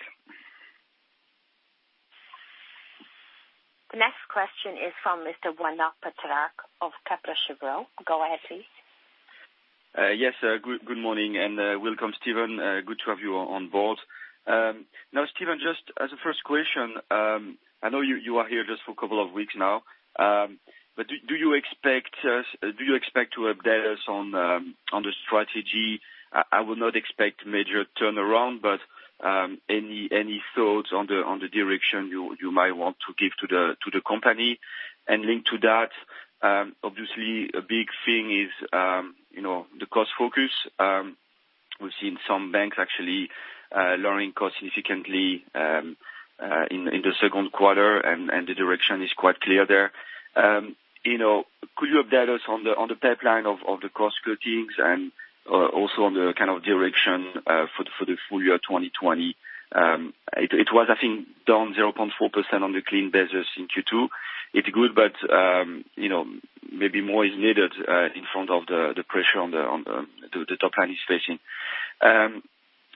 The next question is from Mr. Benoit Pétrarque of Kepler Cheuvreux. Go ahead, please. Yes. Good morning, and welcome, Steven. Good to have you on board. Now, Steven, just as a first question, I know you are here just for a couple of weeks now, but do you expect to update us on the strategy? I would not expect major turnaround, but any thoughts on the direction you might want to give to the company? Linked to that, obviously a big thing is the cost focus. We've seen some banks actually lowering costs significantly in the second quarter, and the direction is quite clear there. Could you update us on the pipeline of the cost cuttings and also on the direction for the full year 2020? It was, I think, down 0.4% on the clean basis in Q2. It's good, but maybe more is needed in front of the pressure the top line is facing.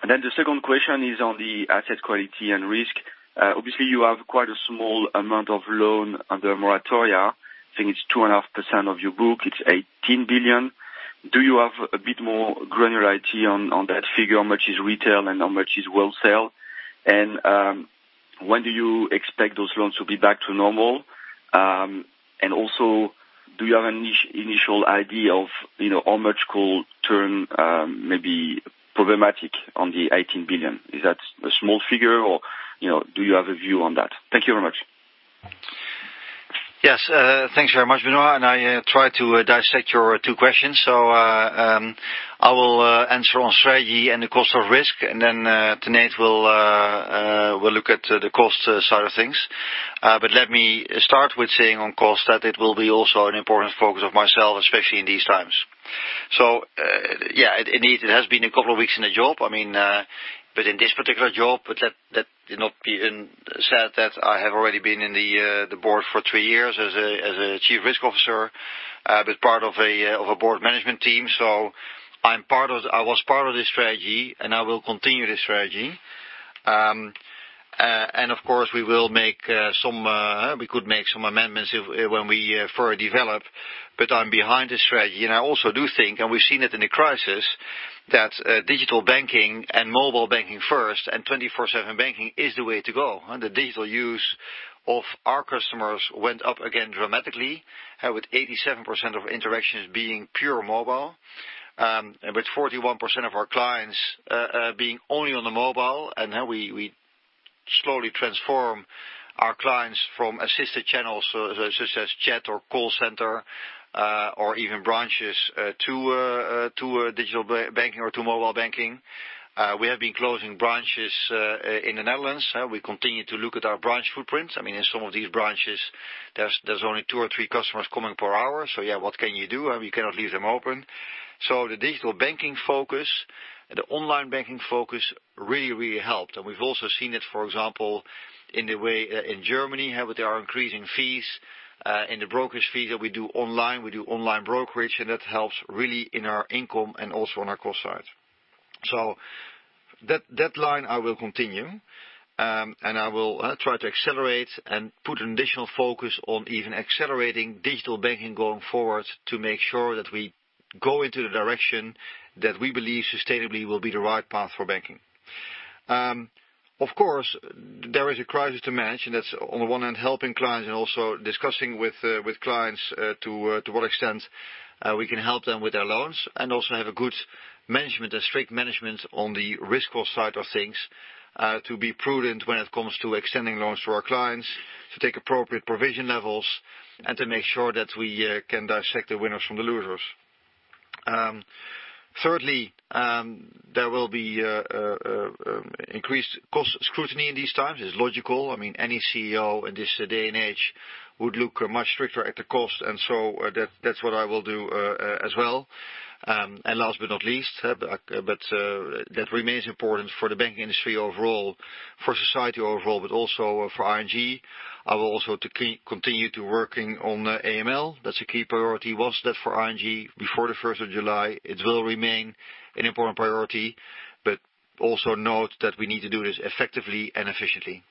The second question is on the asset quality and risk. Obviously, you have quite a small amount of loan under moratoria. I think it's 2.5% of your book. It's 18 billion. Do you have a bit more granularity on that figure, how much is retail and how much is wholesale? When do you expect those loans to be back to normal? Also, do you have an initial idea of how much could turn maybe problematic on the 18 billion? Is that a small figure, or do you have a view on that? Thank you very much. Yes. Thanks very much, Benoit. I try to dissect your two questions. I will answer on strategy and the cost of risk, then Tanate will look at the cost side of things. Let me start with saying on cost that it will be also an important focus of myself, especially in these times. Yeah, it has been a couple of weeks in the job. In this particular job, that did not being said that I have already been in the board for three years as a Chief Risk Officer, but part of a board management team. I was part of this strategy, and I will continue this strategy. Of course, we could make some amendments when we further develop, but I'm behind the strategy. I also do think, and we've seen it in the crisis, that digital banking and mobile banking first and 24/7 banking is the way to go. The digital use of our customers went up again dramatically, with 87% of interactions being pure mobile, with 41% of our clients being only on the mobile. Now we slowly transform our clients from assisted channels such as chat or call center or even branches to digital banking or to mobile banking. We have been closing branches in the Netherlands. We continue to look at our branch footprints. In some of these branches, there's only two or three customers coming per hour. Yeah, what can you do? We cannot leave them open. The digital banking focus and the online banking focus really helped. We've also seen it, for example, in the way in Germany, how they are increasing fees, in the brokerage fees that we do online. We do online brokerage. That helps really in our income and also on our cost side. That line I will continue, and I will try to accelerate and put additional focus on even accelerating digital banking going forward to make sure that we go into the direction that we believe sustainably will be the right path for banking. Of course, there is a crisis to manage, and that's on the one hand helping clients and also discussing with clients to what extent we can help them with their loans, and also have a good management, a strict management on the risk side of things to be prudent when it comes to extending loans to our clients, to take appropriate provision levels and to make sure that we can dissect the winners from the losers. Thirdly, there will be increased cost scrutiny in these times. It's logical. Any CEO in this day and age would look much stricter at the cost, and so that's what I will do as well. Last but not least, but that remains important for the banking industry overall, for society overall, but also for ING. I will also continue to working on AML. That's a key priority, was that for ING before the 1st of July. It will remain an important priority, but also note that we need to do this effectively and efficiently.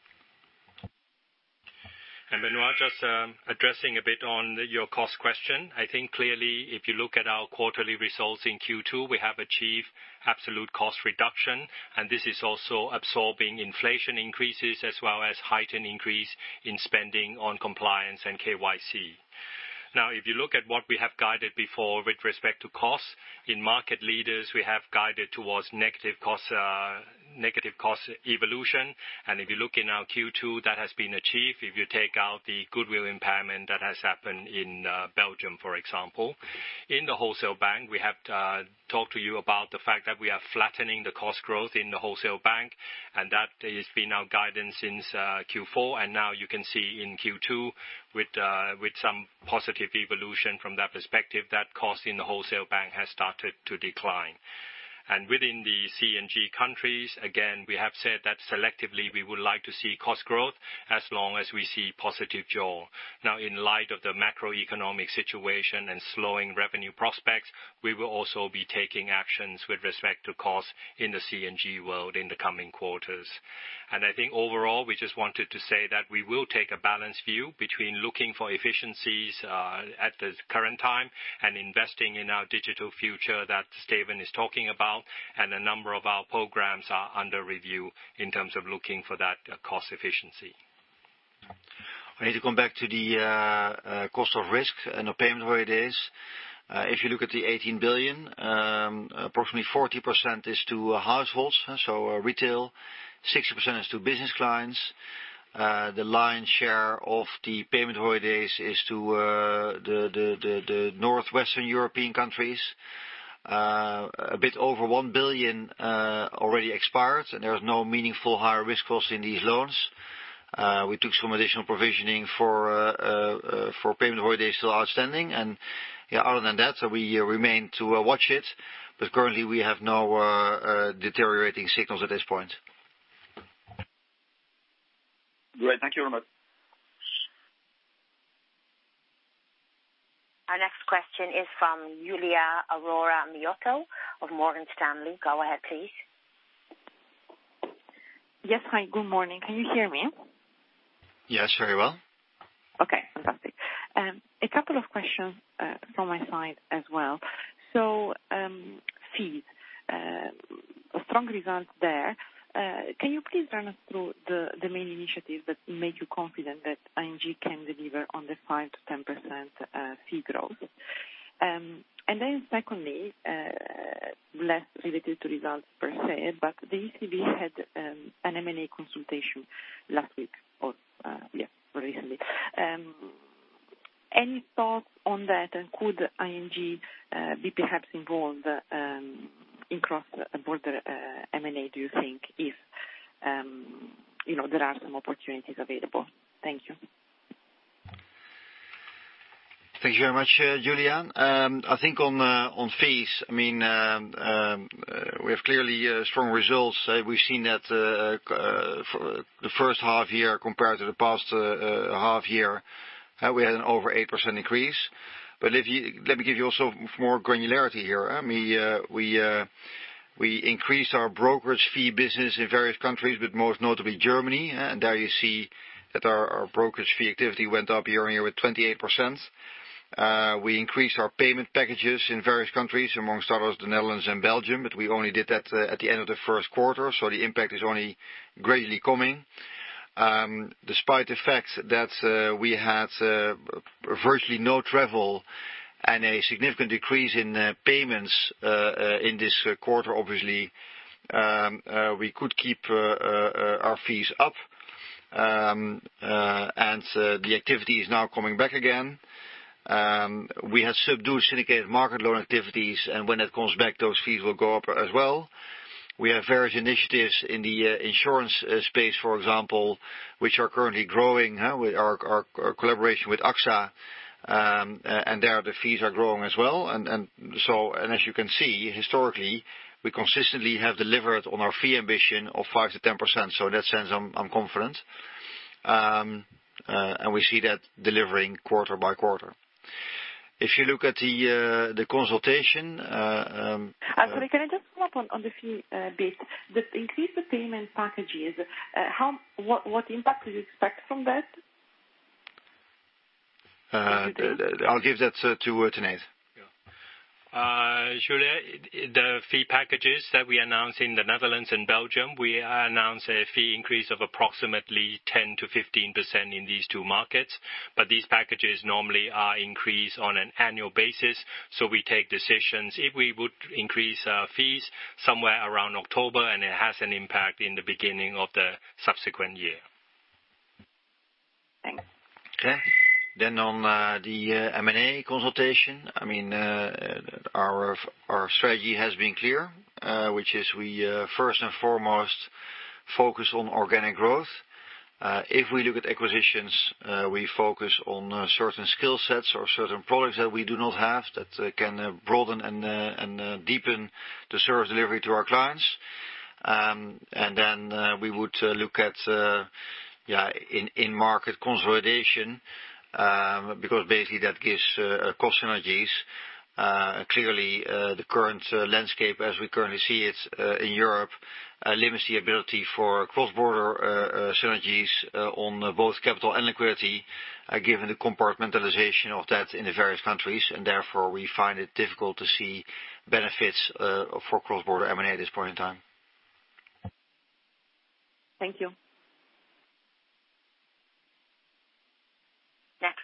Benoit, just addressing a bit on your cost question. I think clearly if you look at our quarterly results in Q2, we have achieved absolute cost reduction, and this is also absorbing inflation increases as well as heightened increase in spending on compliance and KYC. If you look at what we have guided before with respect to costs, in market leaders, we have guided towards negative cost evolution. If you look in our Q2, that has been achieved. If you take out the goodwill impairment that has happened in Belgium, for example. In the Wholesale Bank, we have talked to you about the fact that we are flattening the cost growth in the Wholesale Bank, and that has been our guidance since Q4. Now you can see in Q2 with some positive evolution from that perspective, that cost in the Wholesale Bank has started to decline. Within the C&G countries, again, we have said that selectively we would like to see cost growth as long as we see positive jaws. In light of the macroeconomic situation and slowing revenue prospects, we will also be taking actions with respect to cost in the C&G world in the coming quarters. I think overall, we just wanted to say that we will take a balanced view between looking for efficiencies at the current time and investing in our digital future that Steven is talking about. A number of our programs are under review in terms of looking for that cost efficiency. I need to come back to the cost of risk and the payment holidays. If you look at the 18 billion, approximately 40% is to households, so retail, 60% is to business clients. The lion's share of the payment holidays is to the Northwestern European countries. A bit over 1 billion already expired, and there is no meaningful higher risk cost in these loans. We took some additional provisioning for payment holidays still outstanding. Other than that, we remain to watch it, but currently we have no deteriorating signals at this point. Great. Thank you very much. Our next question is from Giulia Aurora Miotto of Morgan Stanley. Go ahead, please. Yes. Hi, good morning. Can you hear me? Yes, very well. Okay, fantastic. A couple of questions from my side as well. Fees, strong results there. Can you please run us through the main initiatives that make you confident that ING can deliver on the 5%-10% fee growth? Secondly, less related to results per se, but the ECB had an M&A consultation last week or very recently. Any thoughts on that? Could ING be perhaps involved in cross-border M&A, do you think, if there are some opportunities available? Thank you. Thank you very much, Giulia. I think on fees, we have clearly strong results. We've seen that for the first half year compared to the past half year, we had an over 8% increase. Let me give you also more granularity here. We increased our brokerage fee business in various countries, but most notably Germany. There you see that our brokerage fee activity went up year-on-year with 28%. We increased our payment packages in various countries, amongst others, the Netherlands and Belgium. We only did that at the end of the first quarter so the impact is only greatly coming. Despite the fact that we had virtually no travel and a significant decrease in payments in this quarter, obviously, we could keep our fees up. The activity is now coming back again. We had subdued syndicated market loan activities, and when that comes back, those fees will go up as well. We have various initiatives in the insurance space, for example, which are currently growing with our collaboration with AXA, and there the fees are growing as well. As you can see, historically, we consistently have delivered on our fee ambition of 5%-10%. In that sense, I'm confident. We see that delivering quarter by quarter. If you look at the consultation. Sorry, can I just follow up on the fee bit. This increase the payment packages, what impact do you expect from that? I'll give that to Tanate. Giulia, the fee packages that we announced in the Netherlands and Belgium, we announced a fee increase of approximately 10%-15% in these two markets. These packages normally are increased on an annual basis, so we take decisions if we would increase our fees somewhere around October, and it has an impact in the beginning of the subsequent year. Thank you. Okay. On the M&A consultation, our strategy has been clear, which is we first and foremost focus on organic growth. If we look at acquisitions, we focus on certain skill sets or certain products that we do not have that can broaden and deepen the service delivery to our clients. We would look at in-market consolidation, because basically that gives cost synergies. Clearly, the current landscape as we currently see it in Europe limits the ability for cross-border synergies on both capital and liquidity, given the compartmentalization of that in the various countries. Therefore, we find it difficult to see benefits for cross-border M&A at this point in time. Thank you.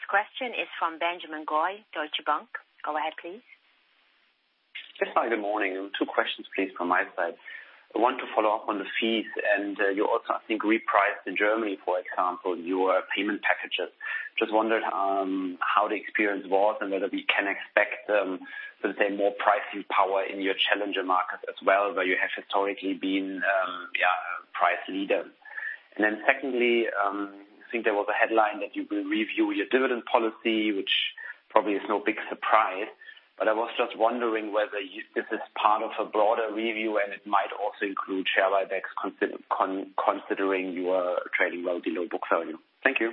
Next question is from Benjamin Goy, Deutsche Bank. Go ahead, please. Yes. Hi, good morning. Two questions please from my side. I want to follow up on the fees and you also, I think, repriced in Germany, for example, your payment packages. Just wondered how the experience was and whether we can expect, so to say, more pricing power in your challenger markets as well, where you have historically been price leader. Secondly, I think there was a headline that you will review your dividend policy, which probably is no big surprise, but I was just wondering whether this is part of a broader review, and it might also include share buybacks considering you are trading well below book value. Thank you.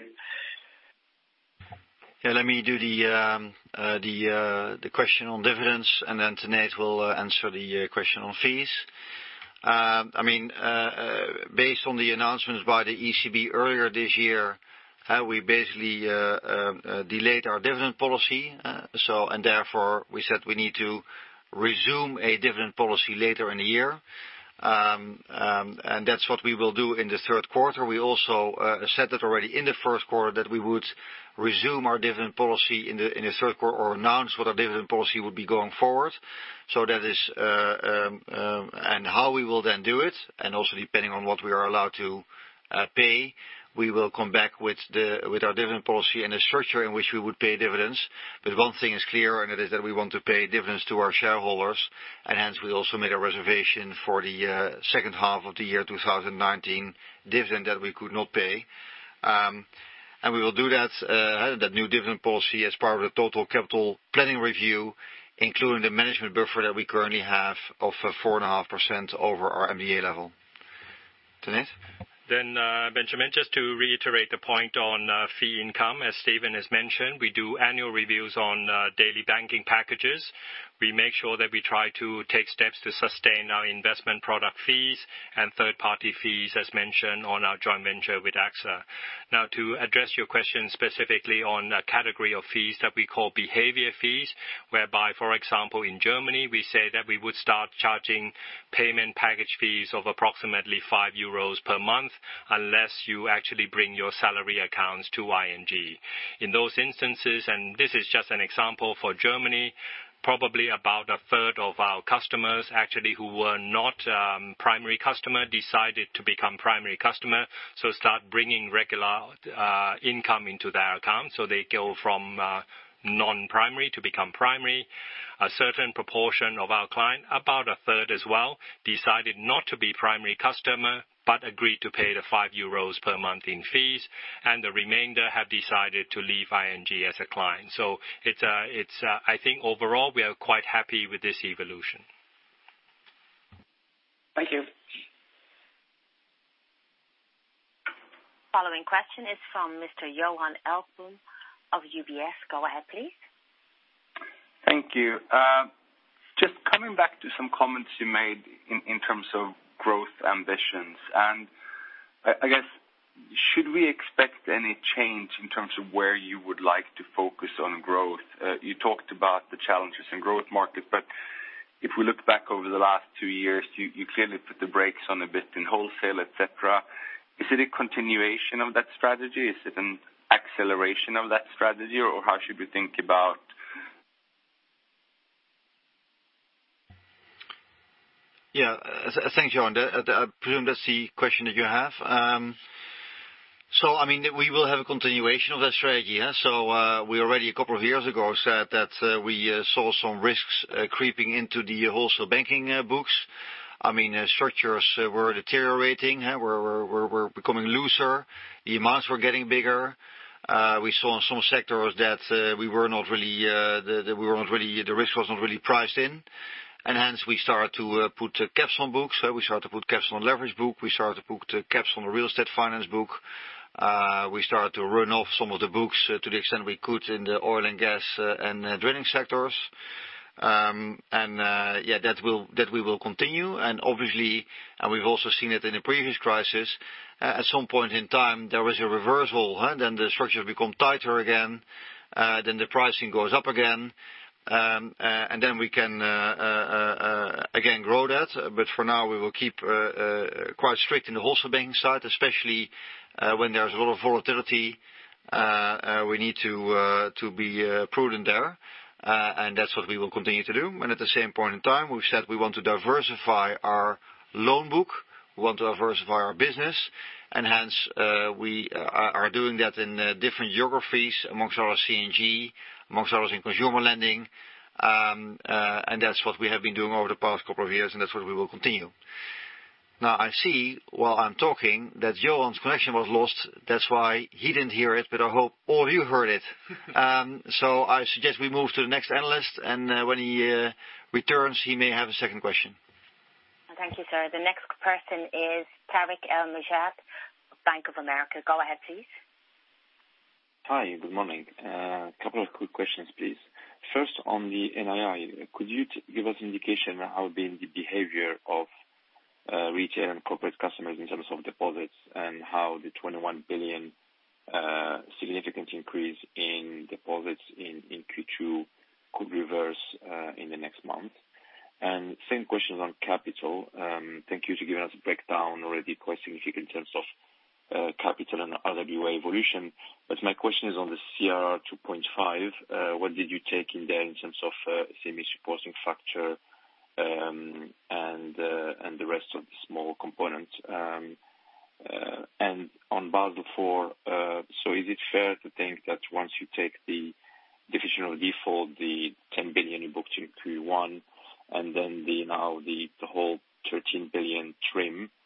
Yeah, let me do the question on dividends, and then Tanate will answer the question on fees. Based on the announcements by the ECB earlier this year, we basically delayed our dividend policy. Therefore, we said we need to resume a dividend policy later in the year. That's what we will do in the third quarter. We also said that already in the first quarter that we would resume our dividend policy in the third quarter or announce what our dividend policy would be going forward. How we will then do it, and also depending on what we are allowed to pay, we will come back with our dividend policy and the structure in which we would pay dividends. One thing is clear, and it is that we want to pay dividends to our shareholders, and hence we also made a reservation for the second half of the year 2019 dividend that we could not pay. We will do that new dividend policy as part of the total capital planning review, including the management buffer that we currently have of 4.5% over our MDA level. Tanate? Benjamin, just to reiterate the point on fee income, as Steven has mentioned, we do annual reviews on daily banking packages. We make sure that we try to take steps to sustain our investment product fees and third-party fees, as mentioned on our joint venture with AXA. To address your question specifically on a category of fees that we call behavior fees, whereby, for example, in Germany, we say that we would start charging payment package fees of approximately 5 euros per month unless you actually bring your salary accounts to ING. In those instances, and this is just an example for Germany, probably about a third of our customers actually who were not primary customer decided to become primary customer, so start bringing regular income into their account. They go from non-primary to become primary. A certain proportion of our client, about a third as well, decided not to be primary customer, but agreed to pay the 5 euros per month in fees, and the remainder have decided to leave ING as a client. I think overall, we are quite happy with this evolution. Thank you. Following question is from Mr. Johan Ekblom of UBS. Go ahead, please. Thank you. Just coming back to some comments you made in terms of growth ambitions. I guess, should we expect any change in terms of where you would like to focus on growth? You talked about the challenges in growth market, but if we look back over the last two years, you clearly put the brakes on a bit in wholesale, et cetera. Is it a continuation of that strategy? Is it an acceleration of that strategy, or how should we think about? Yeah. Thanks, Johan. I presume that's the question that you have. We will have a continuation of that strategy. We already a couple of years ago said that we saw some risks creeping into the wholesale banking books. Structures were deteriorating, were becoming looser. The amounts were getting bigger. We saw in some sectors that the risk was not really priced in, and hence we started to put caps on books. We started to put caps on leverage book. We started to put caps on the real estate finance book. We started to run off some of the books to the extent we could in the oil and gas and drilling sectors. That we will continue. Obviously, and we've also seen it in the previous crisis, at some point in time, there was a reversal. The structures become tighter again, then the pricing goes up again. We can again grow that. For now, we will keep quite strict in the wholesale banking side, especially when there's a lot of volatility, we need to be prudent there. That's what we will continue to do. At the same point in time, we've said we want to diversify our loan book. We want to diversify our business. Hence, we are doing that in different geographies, amongst others C&G, amongst others in consumer lending. That's what we have been doing over the past couple of years, and that's what we will continue. Now, I see while I'm talking that Johan's connection was lost. That's why he didn't hear it, but I hope all of you heard it. I suggest we move to the next analyst, and when he returns, he may have a second question. Thank you, sir. The next person is Tarik El Mejjad of Bank of America. Go ahead, please. Hi. Good morning. A couple of quick questions, please. First on the NII, could you give us indication how been the behavior of retail and corporate customers in terms of deposits and how the 21 billion significant increase in deposits in Q2 could reverse in the next month? Same question on capital. Thank you for giving us a breakdown already quite significant in terms of capital and RWA evolution, but my question is on the CRR 2.5, what did you take in there in terms of SME supporting factor, and the rest of the small component. On Basel IV, so is it fair to think that once you take the Definition of Default, the 10 billion you booked in Q1 and then now the whole 13 billion TRIM, that's like a majority,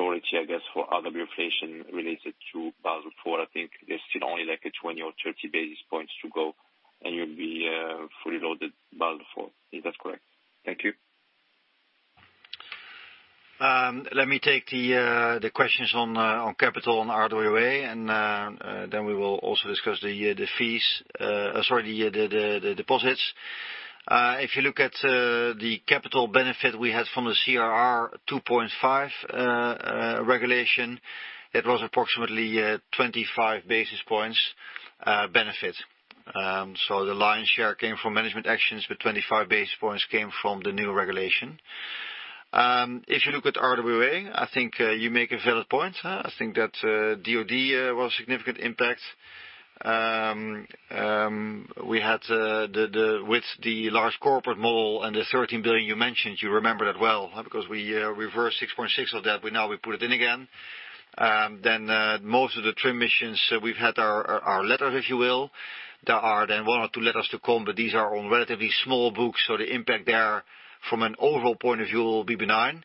I guess, for RWA inflation related to Basel IV. I think there's still only like a 20 or 30 basis points to go and you'll be fully loaded Basel IV. Is that correct? Thank you. Let me take the questions on capital and RWA, and then we will also discuss the deposits. If you look at the capital benefit we had from the CRR 2.5 regulation, it was approximately 25 basis points benefit. The lion's share came from management actions, but 25 basis points came from the new regulation. If you look at RWA, I think you make a valid point. I think that DoD was a significant impact. We had with the large corporate model and the 13 billion you mentioned, you remember that well because we reversed 6.6 of that, but now we put it in again. Most of the TRIM missions we've had are letters, if you will. There are then one or two letters to come, but these are on relatively small books, so the impact there from an overall point of view will be benign.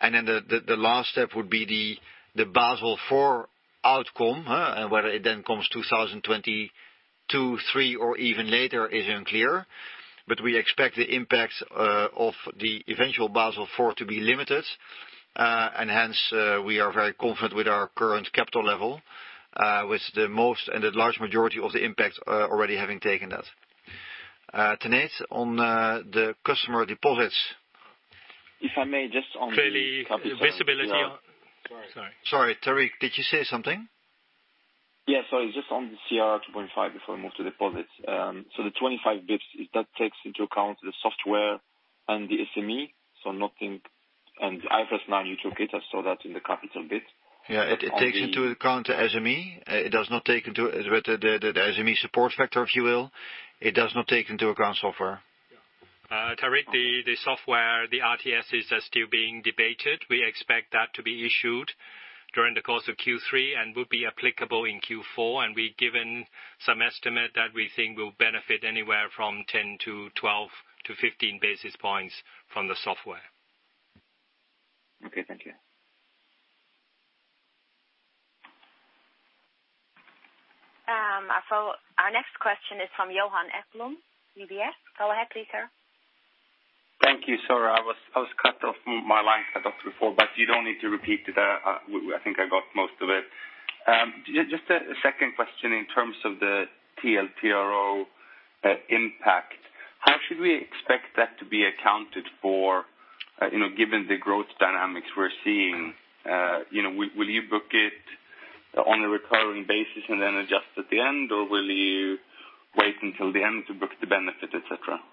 The last step would be the Basel IV outcome, and whether it then comes 2022, 2023 or even later is unclear. We expect the impact of the eventual Basel IV to be limited. Hence, we are very confident with our current capital level, with the most and the large majority of the impact already having taken that. Tarik, on the customer deposits. If I may, just on the capital. Sorry. Sorry, Tarik, did you say something? Yeah. Sorry. Just on the CRR 2.5 before I move to deposits. The 25 basis points, that takes into account the software and the SME. IFRS 9 you took it, I saw that in the capital bit. Yeah. It takes into account SME. The SME support factor, if you will. It does not take into account software. Tarik, the software, the RTS is still being debated. We expect that to be issued during the course of Q3 and will be applicable in Q4, and we've given some estimate that we think will benefit anywhere from 10 to 12 to 15 basis points from the software. Okay. Thank you. Our next question is from Johan Ekblom, UBS. Go ahead please, sir. Thank you, sir. I was cut off my line about before, but you don't need to repeat it. I think I got most of it. Just a second question in terms of the TLTRO impact. How should we expect that to be accounted for given the growth dynamics we're seeing? Will you book it on a recurring basis and then adjust at the end or will you wait until the end to book the benefit, et cetera? Yeah.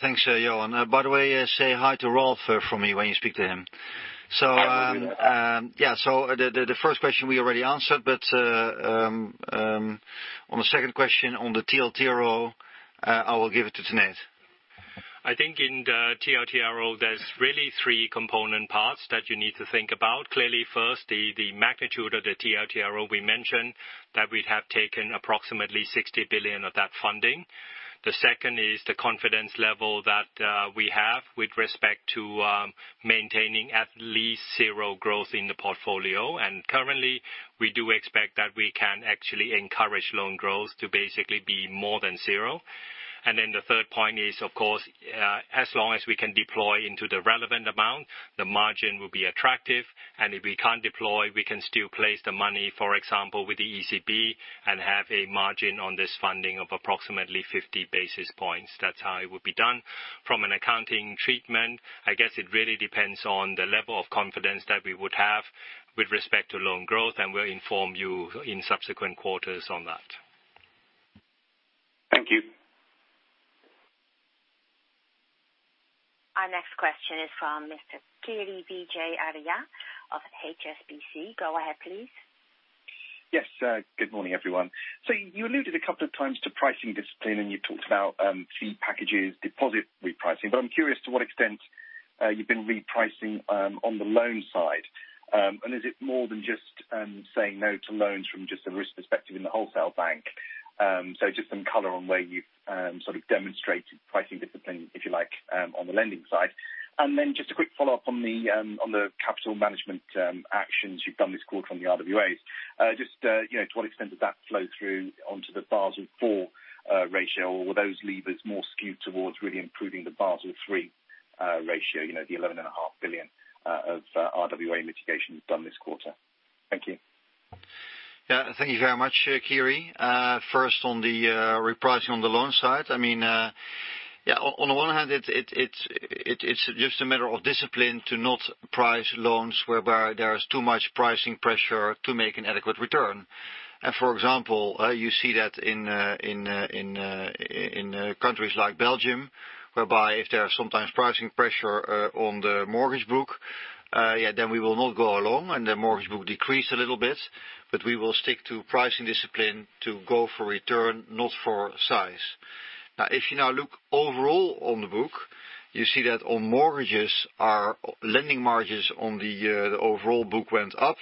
Thanks, Johan. By the way, say hi to Rolf for me when you speak to him. The first question we already answered, but on the second question on the TLTRO, I will give it to Tanate. I think in the TLTRO, there's really three component parts that you need to think about. Clearly, first, the magnitude of the TLTRO we mentioned that we'd have taken approximately 60 billion of that funding. The second is the confidence level that we have with respect to maintaining at least zero growth in the portfolio. Currently, we do expect that we can actually encourage loan growth to basically be more than zero. The third point is, of course, as long as we can deploy into the relevant amount, the margin will be attractive. If we can't deploy, we can still place the money, for example, with the ECB, and have a margin on this funding of approximately 50 basis points. That's how it would be done. From an accounting treatment, I guess it really depends on the level of confidence that we would have with respect to loan growth, and we'll inform you in subsequent quarters on that. Thank you. Our next question is from Mr. Kiri Vijayarajah of HSBC. Go ahead, please. Yes. Good morning, everyone. You alluded a couple of times to pricing discipline, and you talked about fee packages, deposit repricing. I'm curious to what extent you've been repricing on the loan side. Is it more than just saying no to loans from just a risk perspective in the wholesale bank? Just some color on where you've demonstrated pricing discipline, if you like, on the lending side. Just a quick follow-up on the capital management actions you've done this quarter on the RWAs. Just to what extent does that flow through onto the Basel IV ratio, or were those levers more skewed towards really improving the Basel III ratio, the 11.5 billion of RWA mitigation you've done this quarter? Thank you. Yeah. Thank you very much, Kiri. First on the repricing on the loan side. On the one hand, it's just a matter of discipline to not price loans whereby there is too much pricing pressure to make an adequate return. For example, you see that in countries like Belgium, whereby if there are sometimes pricing pressure on the mortgage book, then we will not go along, and the mortgage book decrease a little bit. We will stick to pricing discipline to go for return, not for size. Now, if you now look overall on the book, you see that on mortgages, our lending margins on the overall book went up.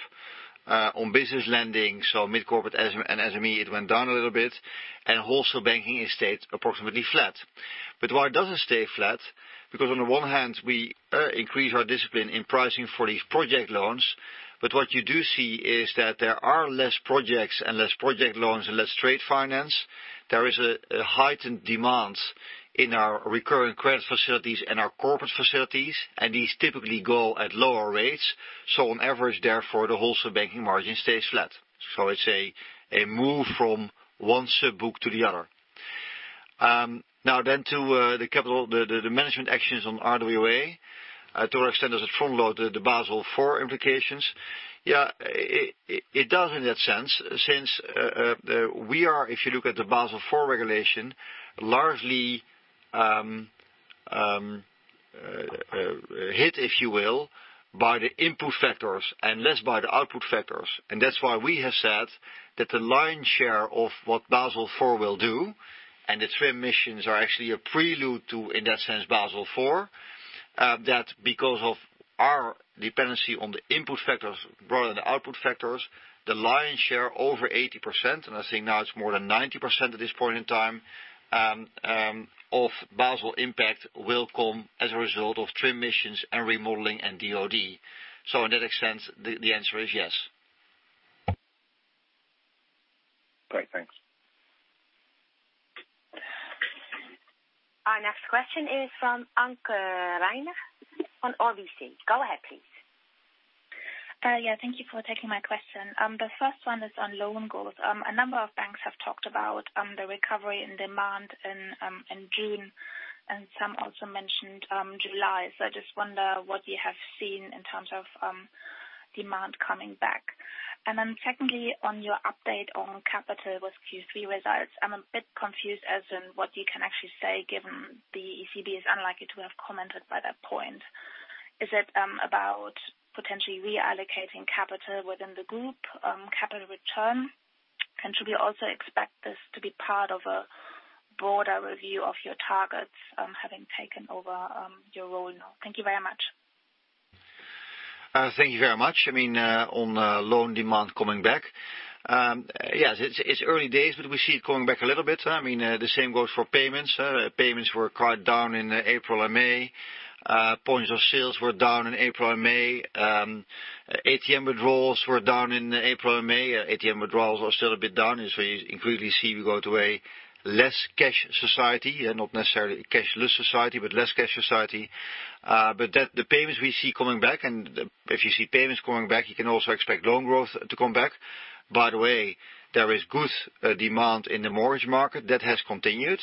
On business lending, so mid-corporate and SME, it went down a little bit. Wholesale banking, it stayed approximately flat. Why it doesn't stay flat, because on the one hand, we increase our discipline in pricing for these project loans. What you do see is that there are less projects and less project loans and less trade finance. There is a heightened demand in our recurring credit facilities and our corporate facilities, and these typically go at lower rates. On average, therefore, the wholesale banking margin stays flat. It's a move from one sub-book to the other. To the management actions on RWA. To what extent does it front load the Basel IV implications? It does in that sense, since we are, if you look at the Basel IV regulation, largely hit, if you will, by the input factors and less by the output factors. That's why we have said that the lion's share of what Basel IV will do, and the TRIM missions are actually a prelude to, in that sense, Basel IV. Because of our dependency on the input factors rather than the output factors, the lion's share over 80%, and I think now it's more than 90% at this point in time, of Basel impact will come as a result of TRIM missions and remodeling and DoD. In that sense, the answer is yes. Great. Thanks. Our next question is from Anke Reingen on RBC. Go ahead, please. Yeah. Thank you for taking my question. The first one is on loan growth. A number of banks have talked about the recovery in demand in June, and some also mentioned July. I just wonder what you have seen in terms of demand coming back. Secondly, on your update on capital with Q3 results, I'm a bit confused as in what you can actually say, given the ECB is unlikely to have commented by that point. Is it about potentially reallocating capital within the group, capital return? Should we also expect this to be part of a broader review of your targets, having taken over your role now? Thank you very much. Thank you very much. On loan demand coming back. Yes, it's early days, but we see it coming back a little bit. The same goes for payments. Payments were quite down in April and May. Points of sales were down in April and May. ATM withdrawals were down in April and May. ATM withdrawals are still a bit down, as we increasingly see we go to a less cash society. Not necessarily a cashless society, but less cash society. The payments we see coming back, and if you see payments coming back, you can also expect loan growth to come back. By the way, there is good demand in the mortgage market. That has continued.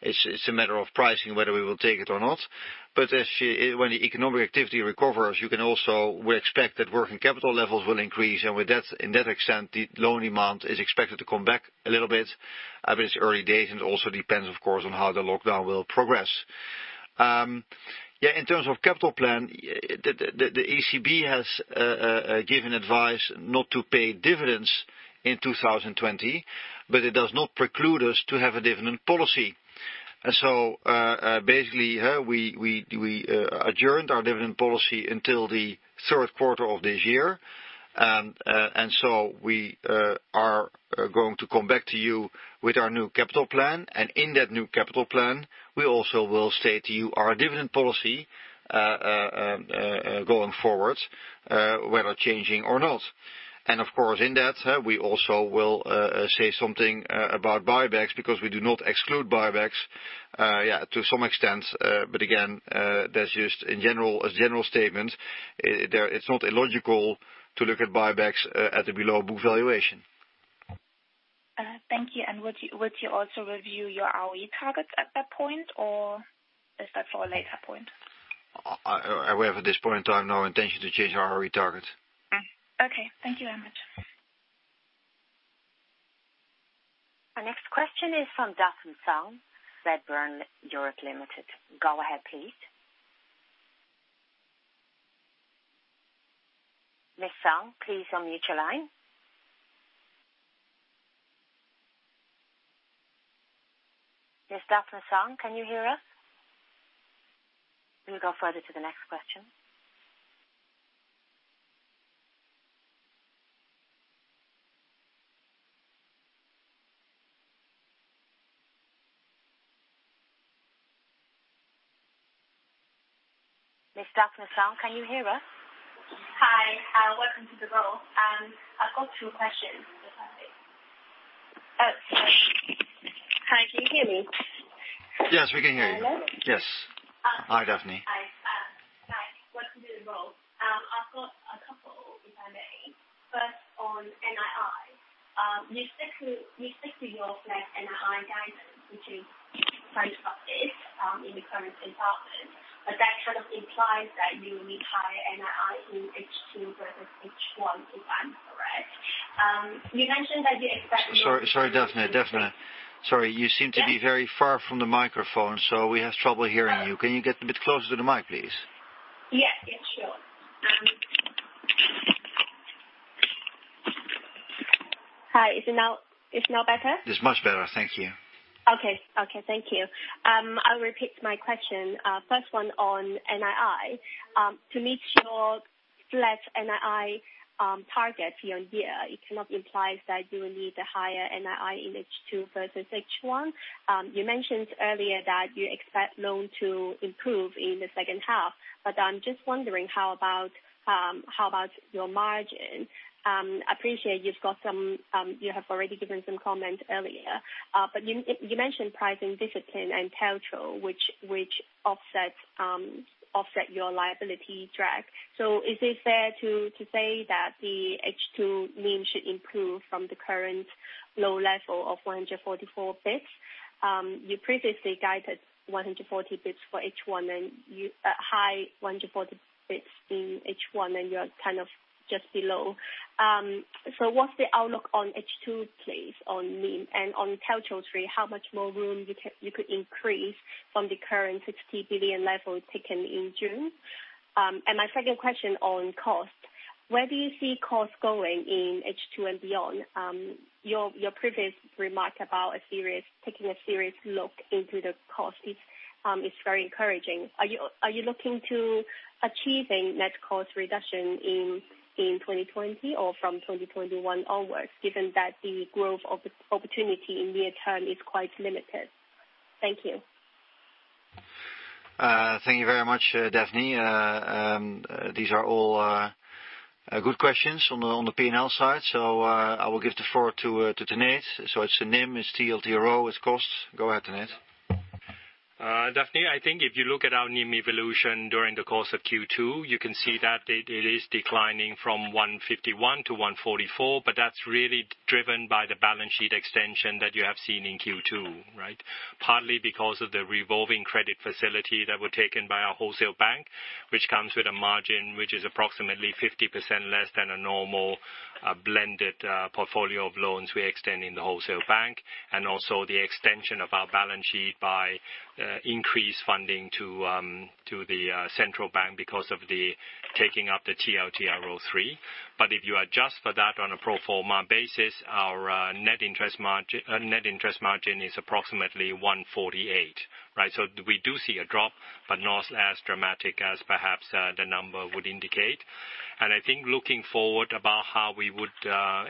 It's a matter of pricing, whether we will take it or not. When the economic activity recovers, we expect that working capital levels will increase. In that extent, the loan demand is expected to come back a little bit. It's early days, and it also depends, of course, on how the lockdown will progress. In terms of capital plan, the ECB has given advice not to pay dividends in 2020, but it does not preclude us to have a dividend policy. We adjourned our dividend policy until the third quarter of this year. We are going to come back to you with our new capital plan, and in that new capital plan, we also will state to you our dividend policy going forward, whether changing or not. Of course, in that, we also will say something about buybacks because we do not exclude buybacks to some extent. Again, that's just a general statement. It's not illogical to look at buybacks at a below book valuation. Thank you. Would you also review your ROE targets at that point, or is that for a later point? We have, at this point in time, no intention to change our ROE target. Okay. Thank you very much. Our next question is from Daphne Tsang, Redburn Europe Limited. Go ahead, please. Ms. Tsang, please unmute your line. Ms. Daphne Tsang, can you hear us? We'll go further to the next question. Ms. Daphne Tsang, can you hear us? Hi. Welcome to the call. I've got two questions, if I may. Hi, can you hear me? Yes, we can hear you. Hello. Yes. Hi, Daphne. Hi. Welcome to the call. I've got a couple, if I may. First, on NII. You stick to your flat NII guidance, which is pretty flat-ish in the current environment. That sort of implies that you need higher NII in H2 versus H1, if I'm correct. Sorry, Daphne. You seem to be very far from the microphone, so we have trouble hearing you. Can you get a bit closer to the mic, please? Yes, sure. Hi, is it now better? It's much better. Thank you. Okay. Thank you. I'll repeat my question. First one on NII. To meet your flat NII target for your year, it cannot imply that you will need a higher NII in H2 versus H1. You mentioned earlier that you expect loans to improve in the second half, but I'm just wondering, how about your margin? I appreciate you have already given some comment earlier. You mentioned pricing discipline and TLTRO, which offset your liability drag. Is it fair to say that the H2 NIM should improve from the current low level of 144 basis points? You previously guided 140 basis points for H1 and high 140 basis points in H1, and you're just below. What's the outlook on H2, please, on NIM and on TLTRO III, how much more room you could increase from the current 60 billion level taken in June? My second question on cost. Where do you see cost going in H2 and beyond? Your previous remark about taking a serious look into the cost is very encouraging. Are you looking to achieving net cost reduction in 2020 or from 2021 onwards, given that the growth opportunity in near term is quite limited? Thank you. Thank you very much, Daphne. These are all good questions on the P&L side. I will give the floor to Tanate. It's the NIM, it's TLTRO, it's cost. Go ahead, Tanate. Daphne, I think if you look at our NIM evolution during the course of Q2, you can see that it is declining from 151 to 144, but that's really driven by the balance sheet extension that you have seen in Q2. Partly because of the revolving credit facility that were taken by our wholesale bank, which comes with a margin which is approximately 50% less than a normal blended portfolio of loans we extend in the wholesale bank, and also the extension of our balance sheet by increased funding to the central bank because of the taking up the TLTRO III. If you adjust for that on a pro forma basis, our net interest margin is approximately 148. We do see a drop, but not as dramatic as perhaps the number would indicate. I think looking forward about how we would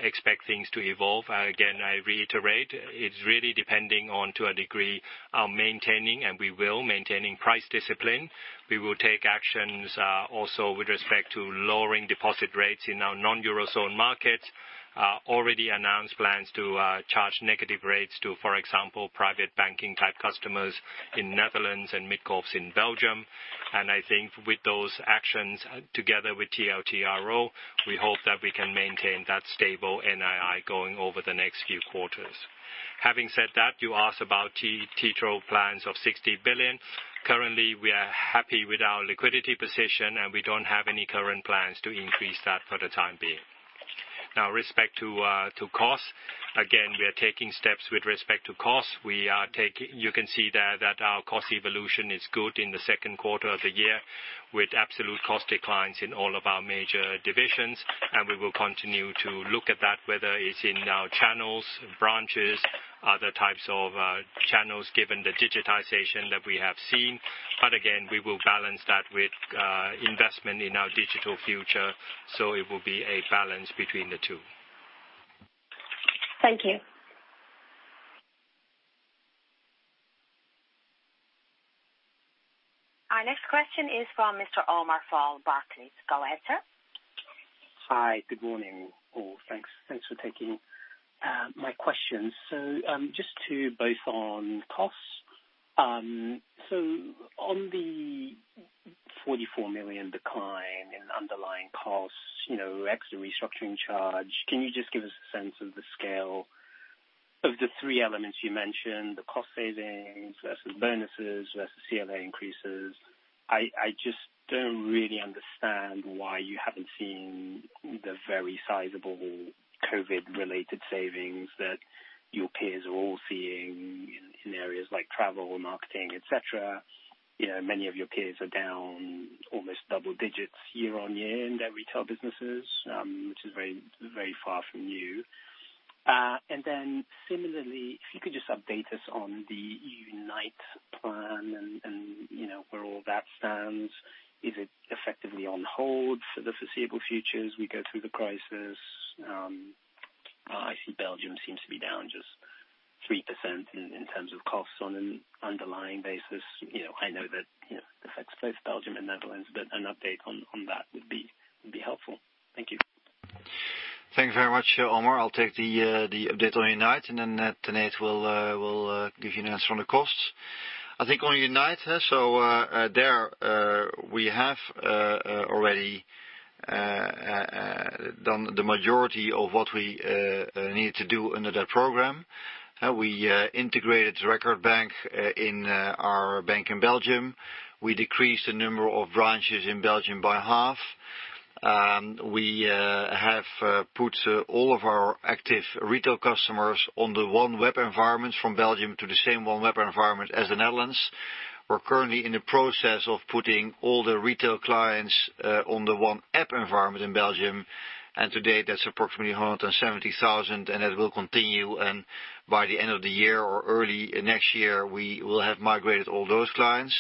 expect things to evolve, again, I reiterate, it's really depending on, to a degree, our maintaining, and we will, maintaining price discipline. We will take actions also with respect to lowering deposit rates in our non-Eurozone markets. Already announced plans to charge negative rates to, for example, private banking type customers in Netherlands and mid caps in Belgium. I think with those actions, together with TLTRO, we hope that we can maintain that stable NII going over the next few quarters. Having said that, you asked about TLTRO plans of 60 billion. Currently, we are happy with our liquidity position, and we don't have any current plans to increase that for the time being. Respect to costs. We are taking steps with respect to cost. You can see that our cost evolution is good in the second quarter of the year, with absolute cost declines in all of our major divisions. We will continue to look at that, whether it's in our channels, branches, other types of channels, given the digitization that we have seen. Again, we will balance that with investment in our digital future. It will be a balance between the two. Thank you. Our next question is from Mr. Omar Fall, Barclays. Go ahead, sir. Hi. Good morning, all. Thanks for taking my questions. Just to both on costs. On the 44 million decline in underlying costs, ex the restructuring charge, can you just give us a sense of the scale of the three elements you mentioned, the cost savings versus bonuses versus CLA increases? I just don't really understand why you haven't seen the very sizable COVID-19-related savings that your peers are all seeing in areas like travel, marketing, et cetera. Many of your peers are down almost double digits year-on-year in their retail businesses, which is very far from you. Similarly, if you could just update us on the Unite plan and where all that stands. Is it effectively on hold for the foreseeable future as we go through the crisis? I see Belgium seems to be down just 3% in terms of costs on an underlying basis. I know that affects both Belgium and Netherlands. An update on that would be helpful. Thank you. Thanks very much, Omar. I'll take the update on Unite. Nate will give you an answer on the costs. I think on Unite, there we have already done the majority of what we need to do under that program. We integrated Record Bank in our bank in Belgium. We decreased the number of branches in Belgium by half. We have put all of our active retail customers on the one web environment from Belgium to the same one web environment as the Netherlands. We're currently in the process of putting all the retail clients on the OneApp environment in Belgium, to date, that's approximately 170,000. That will continue. By the end of the year or early next year, we will have migrated all those clients.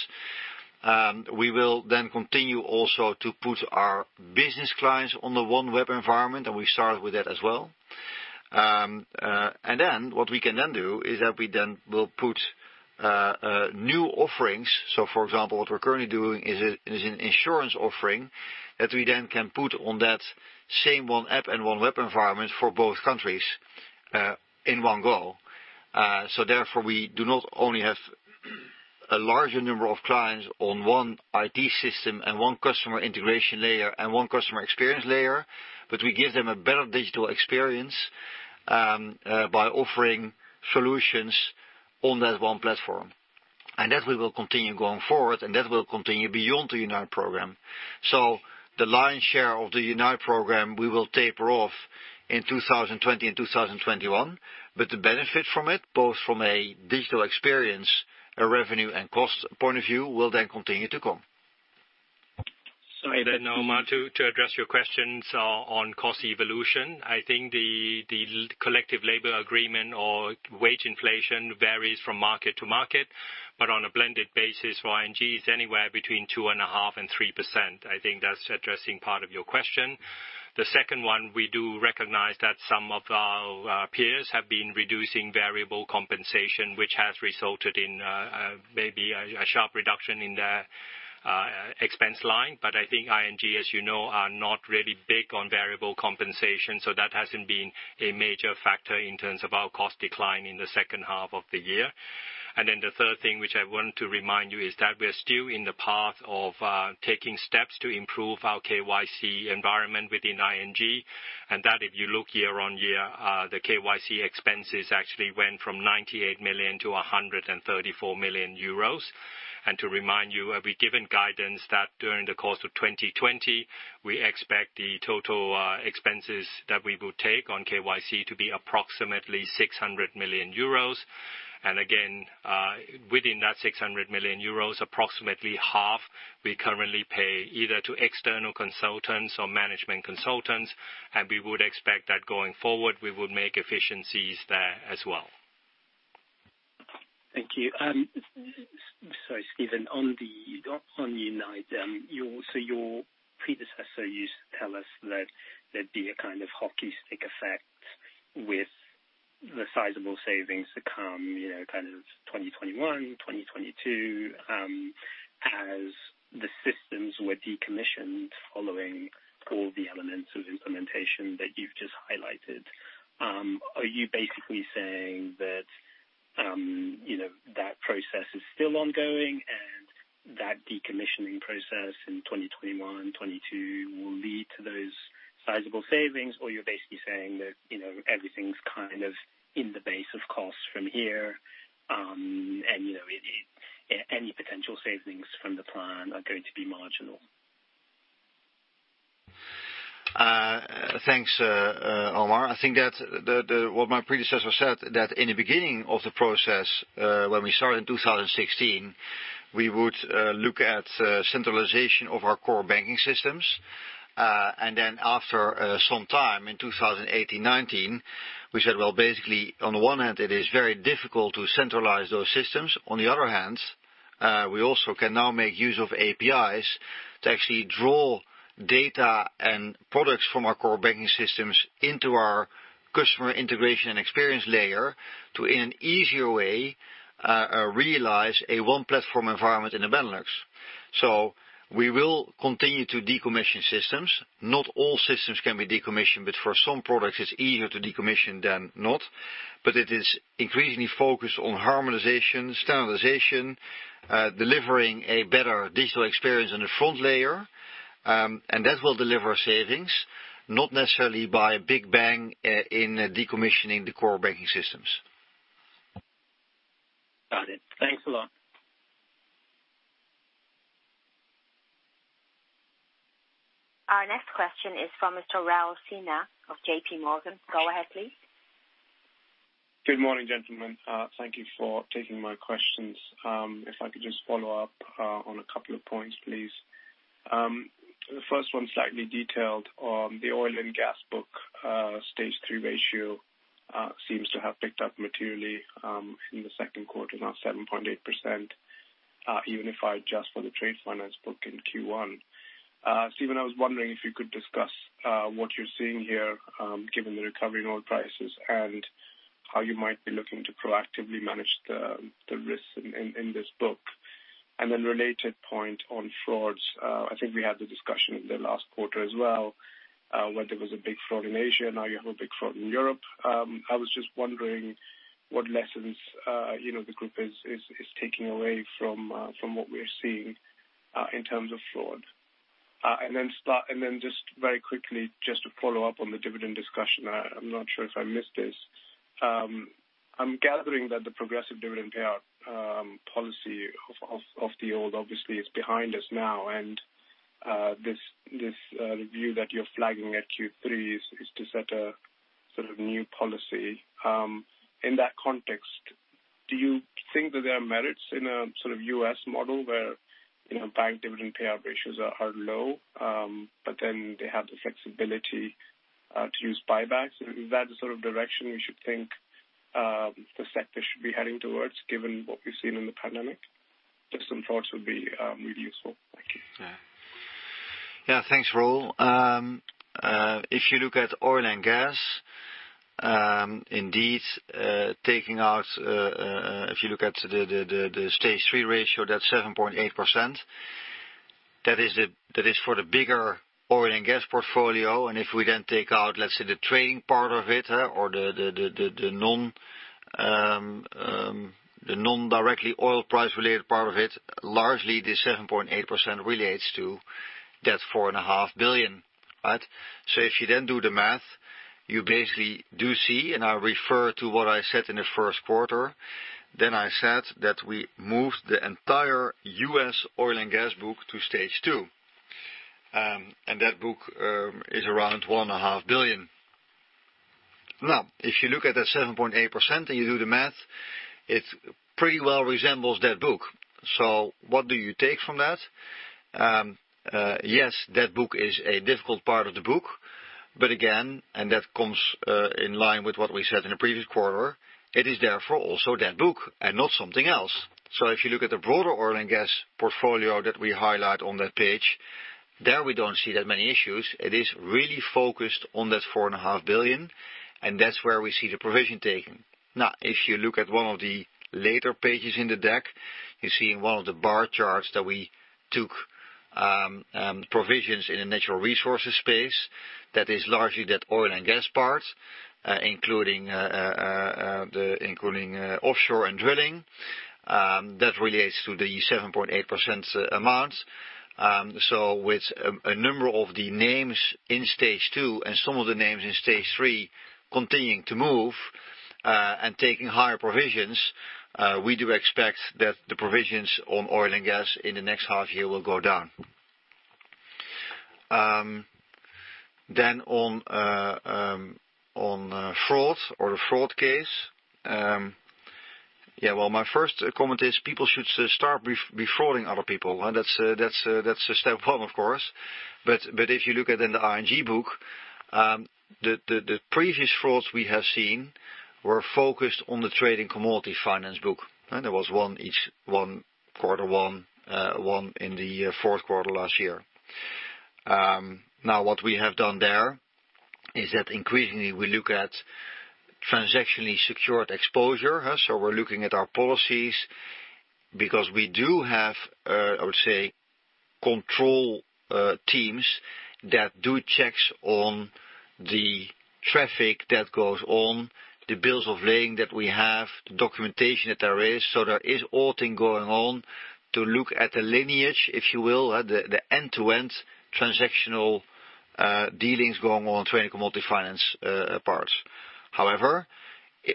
We will then continue also to put our business clients on the one web environment, we started with that as well. Then what we can then do is that we then will put new offerings. For example, what we're currently doing is an insurance offering that we then can put on that same OneApp and one web environment for both countries in one go. Therefore, we do not only have a larger number of clients on one IT system and one customer integration layer and one customer experience layer, but we give them a better digital experience by offering solutions on that one platform. That we will continue going forward, and that will continue beyond the Unite program. The lion's share of the Unite program, we will taper off in 2020 and 2021. The benefit from it, both from a digital experience, a revenue, and cost point of view, will then continue to come. Sorry, Omar, to address your questions on cost evolution, I think the collective labor agreement or wage inflation varies from market to market, but on a blended basis for ING is anywhere between two and a half and 3%. I think that's addressing part of your question. The second one, we do recognize that some of our peers have been reducing variable compensation, which has resulted in maybe a sharp reduction in their expense line. I think ING, as you know, are not really big on variable compensation, so that hasn't been a major factor in terms of our cost decline in the second half of the year. The third thing, which I want to remind you, is that we're still in the path of taking steps to improve our KYC environment within ING, and that if you look year-on-year, the KYC expenses actually went from 98 million to 134 million euros. To remind you, we've given guidance that during the course of 2020, we expect the total expenses that we will take on KYC to be approximately 600 million euros. Again, within that 600 million euros, approximately half we currently pay either to external consultants or management consultants. We would expect that going forward, we would make efficiencies there as well. Thank you. Sorry, Steven, on Unite, your predecessor used to tell us that there'd be a kind of hockey stick effect with the sizable savings to come, kind of 2021, 2022, as the systems were decommissioned following all the elements of implementation that you've just highlighted. Are you basically saying that that process is still ongoing and that decommissioning process in 2021, 2022 will lead to those sizable savings? You're basically saying that everything's kind of in the base of costs from here, and any potential savings from the plan are going to be marginal. Thanks, Omar. I think that what my predecessor said, that in the beginning of the process, when we started in 2016, we would look at centralization of our core banking systems. After some time in 2018, 2019, we said, well, basically, on the one hand, it is very difficult to centralize those systems. On the other hand, we also can now make use of APIs to actually draw data and products from our core banking systems into our customer integration and experience layer to, in an easier way, realize a one platform environment in the Benelux. We will continue to decommission systems. Not all systems can be decommissioned, but for some products it is easier to decommission than not. It is increasingly focused on harmonization, standardization, delivering a better digital experience on the front layer. That will deliver savings, not necessarily by a big bang in decommissioning the core banking systems. Got it. Thanks a lot. Our next question is from Mr. Rahul Sinha of JPMorgan. Go ahead, please. Good morning, gentlemen. Thank you for taking my questions. If I could just follow up on a couple of points, please. The first one slightly detailed on the oil and gas book. Stage 3 ratio seems to have picked up materially in the second quarter, now 7.8%, even if I adjust for the trade finance book in Q1. Steven, I was wondering if you could discuss what you're seeing here, given the recovery in oil prices and how you might be looking to proactively manage the risks in this book. Related point on frauds. I think we had the discussion in the last quarter as well, where there was a big fraud in Asia, now you have a big fraud in Europe. I was just wondering what lessons the group is taking away from what we are seeing in terms of fraud. Just very quickly, just to follow up on the dividend discussion. I'm not sure if I missed this. I'm gathering that the progressive dividend payout policy of the old obviously is behind us now. This review that you're flagging at Q3 is to set a new policy. In that context, do you think that there are merits in a U.S. model where bank dividend payout ratios are low, but then they have the flexibility to use buybacks? Is that the sort of direction you should think the sector should be heading towards, given what we've seen in the pandemic? Just some thoughts would be really useful. Thank you. Yeah. Thanks, Rahul. If you look at oil and gas, indeed, taking out, if you look at the Stage 3 ratio, that's 7.8%. That is for the bigger oil and gas portfolio. If we then take out, let's say, the trading part of it or the non-directly oil price related part of it, largely this 7.8% relates to that 4.5 billion. If you then do the math, you basically do see, and I refer to what I said in the first quarter, then I said that we moved the entire U.S. oil and gas book to Stage 2. That book is around 1.5 billion. Now, if you look at that 7.8% and you do the math, it pretty well resembles that book. What do you take from that? Yes, that book is a difficult part of the book. Again, and that comes in line with what we said in the previous quarter, it is therefore also that book and not something else. If you look at the broader oil and gas portfolio that we highlight on that page, there we don't see that many issues. It is really focused on that four and a half billion, and that's where we see the provision taking. Now, if you look at one of the later pages in the deck, you see in one of the bar charts that we took provisions in the natural resources space. That is largely that oil and gas part, including offshore and drilling. That relates to the 7.8% amount. With a number of the names in Stage 2 and some of the names in Stage 3 continuing to move and taking higher provisions, we do expect that the provisions on oil and gas in the next half year will go down. On fraud or the fraud case. My first comment is people should stop defrauding other people. That's step one, of course. If you look at in the ING book, the previous frauds we have seen were focused on the trade and commodity finance book. There was one each, one quarter one, one in the fourth quarter last year. What we have done there is that increasingly we look at transactionally secured exposure. We're looking at our policies because we do have, I would say, control teams that do checks on the traffic that goes on, the bills of lading that we have, the documentation that there is. There is auditing going on to look at the lineage, if you will, the end-to-end transactional dealings going on trade commodity finance parts.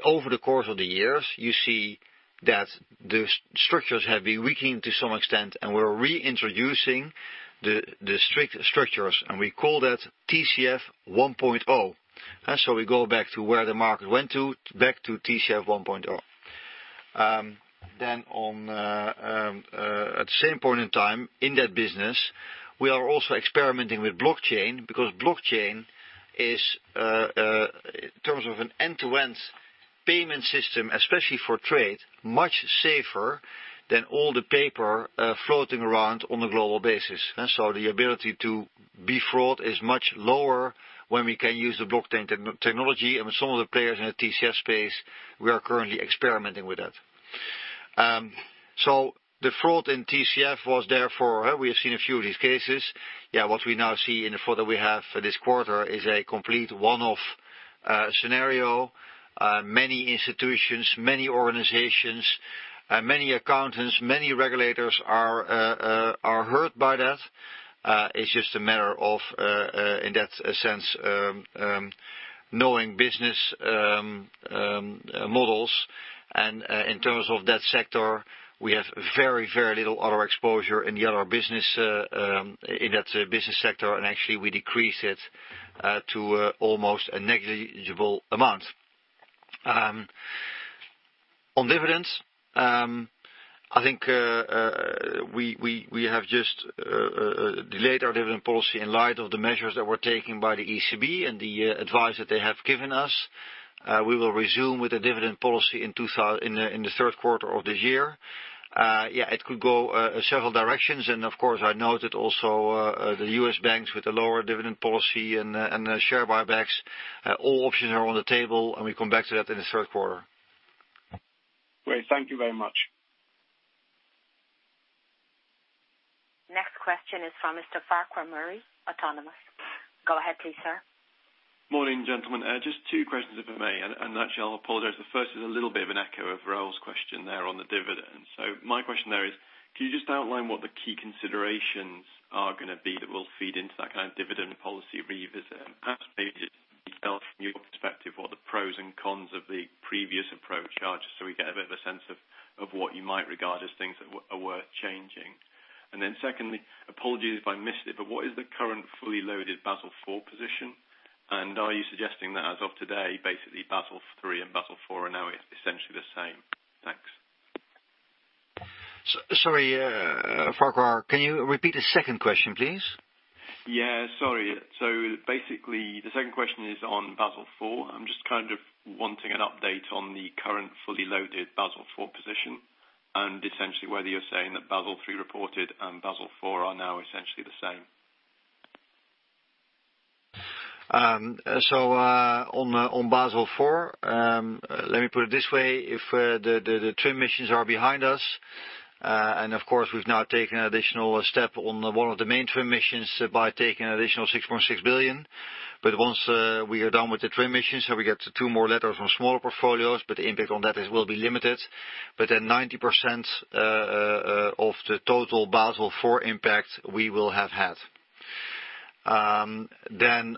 Over the course of the years, you see that the structures have been weakening to some extent, and we're reintroducing the strict structures, and we call that TCF 1.0. We go back to where the market went to, back to TCF 1.0. At the same point in time, in that business, we are also experimenting with blockchain, because blockchain is, in terms of an end-to-end payment system, especially for trade, much safer than all the paper floating around on a global basis. The ability to be fraud is much lower when we can use the blockchain technology and with some of the players in the TCF space, we are currently experimenting with that. The fraud in TCF was therefore, we have seen a few of these cases. What we now see in the fraud that we have for this quarter is a complete one-off scenario. Many institutions, many organizations, many accountants, many regulators are hurt by that. It's just a matter of, in that sense, knowing business models. In terms of that sector, we have very little auto exposure in the other business, in that business sector, and actually we decrease it to almost a negligible amount. On dividends, I think we have just delayed our dividend policy in light of the measures that were taken by the ECB and the advice that they have given us. We will resume with the dividend policy in the third quarter of the year. It could go several directions, of course, I noted also the U.S. banks with the lower dividend policy and the share buybacks. All options are on the table, we come back to that in the third quarter. Great. Thank you very much. Next question is from Mr. Farquhar Murray, Autonomous. Go ahead please, sir. Morning, gentlemen. Just two questions, if I may, actually I'll apologize. The first is a little bit of an echo of Rahul's question there on the dividend. My question there is, can you just outline what the key considerations are going to be that will feed into that kind of dividend policy revisit? Perhaps maybe just detail from your perspective what the pros and cons of the previous approach are, just so we get a bit of a sense of what you might regard as things that are worth changing. Then secondly, apologies if I missed it, but what is the current fully loaded Basel IV position? Are you suggesting that as of today, basically Basel III and Basel IV are now essentially the same? Thanks. Sorry, Farquhar, can you repeat the second question, please? Yeah, sorry. Basically, the second question is on Basel IV. I'm just wanting an update on the current fully loaded Basel IV position, and essentially whether you're saying that Basel III reported and Basel IV are now essentially the same. On Basel IV, let me put it this way. If the TRIM missions are behind us, and of course, we've now taken an additional step on one of the main TRIM missions by taking an additional 6.6 billion. Once we are done with the TRIM missions, we get two more letters from smaller portfolios, the impact on that will be limited. 90% of the total Basel IV impact we will have had. On the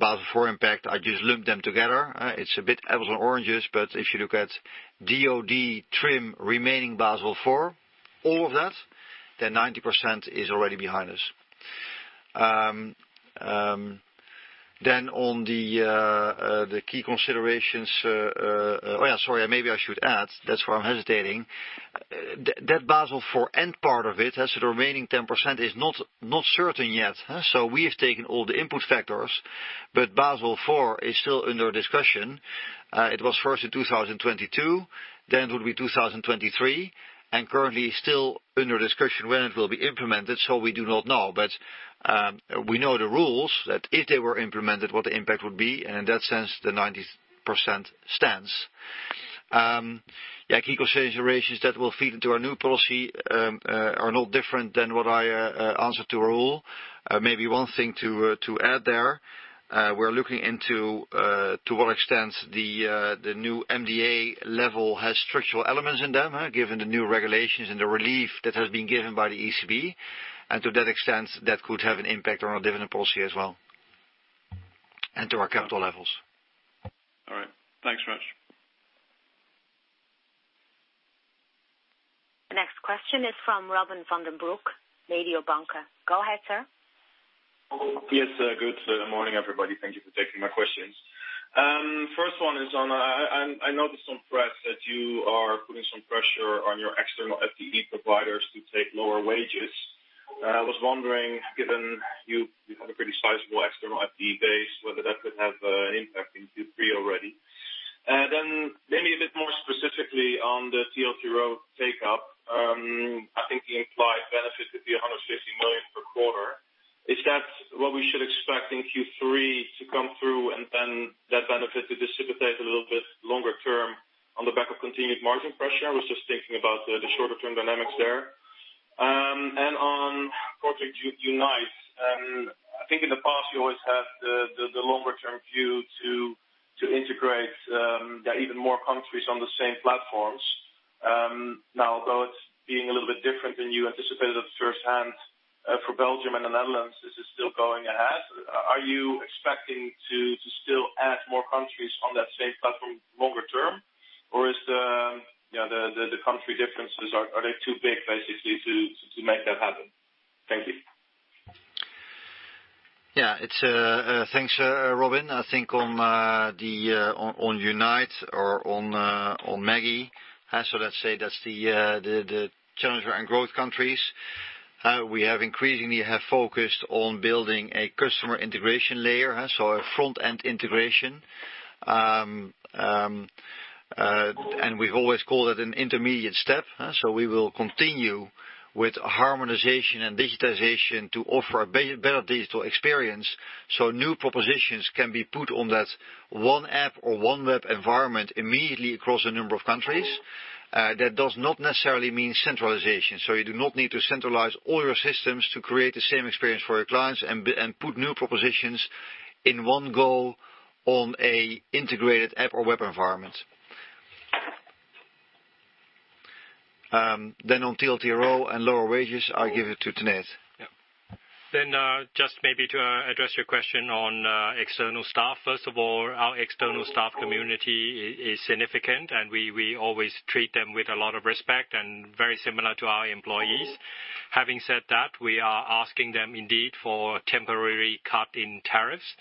Basel IV impact, I just lumped them together. It's a bit apples and oranges, if you look at DoD TRIM remaining Basel IV, all of that, 90% is already behind us. On the key considerations. Sorry, maybe I should add, that's why I'm hesitating. Basel IV end part of it, the remaining 10% is not certain yet. We have taken all the input factors, Basel IV is still under discussion. It was first in 2022, then it would be 2023, and currently still under discussion when it will be implemented, so we do not know. We know the rules, that if they were implemented, what the impact would be, and in that sense, the 90% stands. Key considerations that will feed into our new policy are no different than what I answered to Rahul. Maybe one thing to add there. We're looking into to what extent the new MDA level has structural elements in them, given the new regulations and the relief that has been given by the ECB. To that extent, that could have an impact on our dividend policy as well, and to our capital levels. All right. Thanks very much. The next question is from Robin van den Broek, Mediobanca. Go ahead, sir. Yes. Good morning, everybody. Thank you for taking my questions. First one is on. I noticed on press that you are putting some pressure on your external FTE providers to take lower wages. I was wondering, given you have a pretty sizable external FTE base, whether that could have an impact in Q3 already. Maybe a bit more specifically on the TLTRO III take up. I think the implied benefit could be 150 million per quarter. Is that what we should expect in Q3 to come through, and then that benefit to dissipate a little bit longer term on the back of continued margin pressure? I was just thinking about the shorter term dynamics there. On Project Unite. I think in the past you always had the longer term view to integrate even more countries on the same platforms. Though it's being a little bit different than you anticipated at the first hand for Belgium and the Netherlands, this is still going ahead. Are you expecting to still add more countries on that same platform longer term? Are the country differences too big, basically, to make that happen? Thank you. Thanks, Robin. On Unite or on C&G, let's say that's the challenger and growth countries. We increasingly focused on building a customer integration layer, a front-end integration. We've always called it an intermediate step. We will continue with harmonization and digitization to offer a better digital experience, new propositions can be put on that OneApp or one web environment immediately across a number of countries. That does not necessarily mean centralization. You do not need to centralize all your systems to create the same experience for your clients and put new propositions in one go on an integrated app or web environment. On TLTRO and lower wages, I'll give it to Tanate. Yeah. Just maybe to address your question on external staff. First of all, our external staff community is significant, and we always treat them with a lot of respect and very similar to our employees. Having said that, we are asking them indeed for temporary cut in tariffs,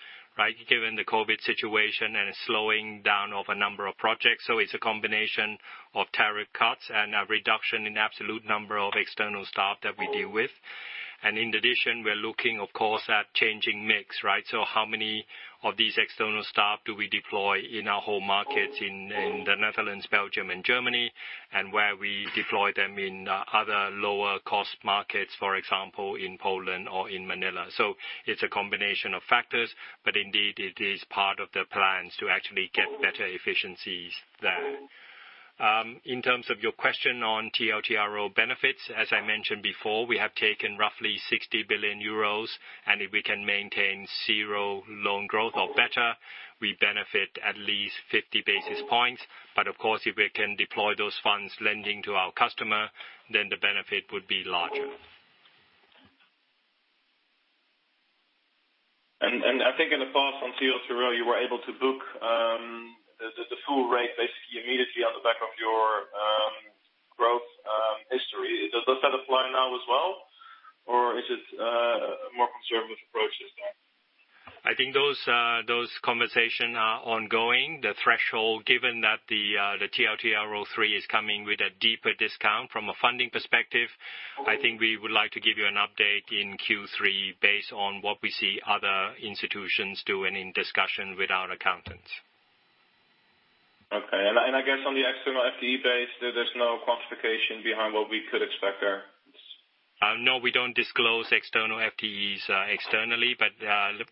given the COVID-19 situation and slowing down of a number of projects. It's a combination of tariff cuts and a reduction in absolute number of external staff that we deal with. In addition, we're looking, of course, at changing mix. How many of these external staff do we deploy in our home markets in the Netherlands, Belgium and Germany, and where we deploy them in other lower cost markets, for example, in Poland or in Manila. It's a combination of factors, but indeed it is part of the plans to actually get better efficiencies there. In terms of your question on TLTRO benefits, as I mentioned before, we have taken roughly 60 billion euros. If we can maintain zero loan growth or better, we benefit at least 50 basis points. Of course, if we can deploy those funds lending to our customer, then the benefit would be larger. I think in the past on TLTRO, you were able to book the full rate basically immediately on the back of your growth history. Does that apply now as well, or is it a more conservative approach this time? I think those conversations are ongoing. The threshold, given that the TLTRO III is coming with a deeper discount from a funding perspective, I think we would like to give you an update in Q3 based on what we see other institutions doing in discussion with our accountants. Okay. I guess on the external FTE base, there's no quantification behind what we could expect there? No, we don't disclose external FTEs externally.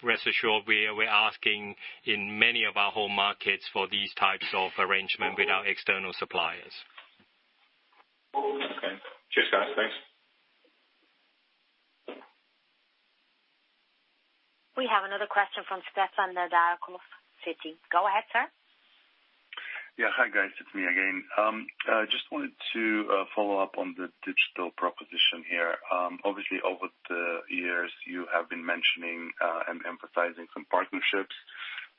Rest assured, we're asking in many of our home markets for these types of arrangement with our external suppliers. Okay. Cheers, guys. Thanks. We have another question from Stefan at Citi. Go ahead, sir. Yeah. Hi, guys. It's me again. Just wanted to follow up on the digital proposition here. Obviously, over the years, you have been mentioning and emphasizing some partnerships,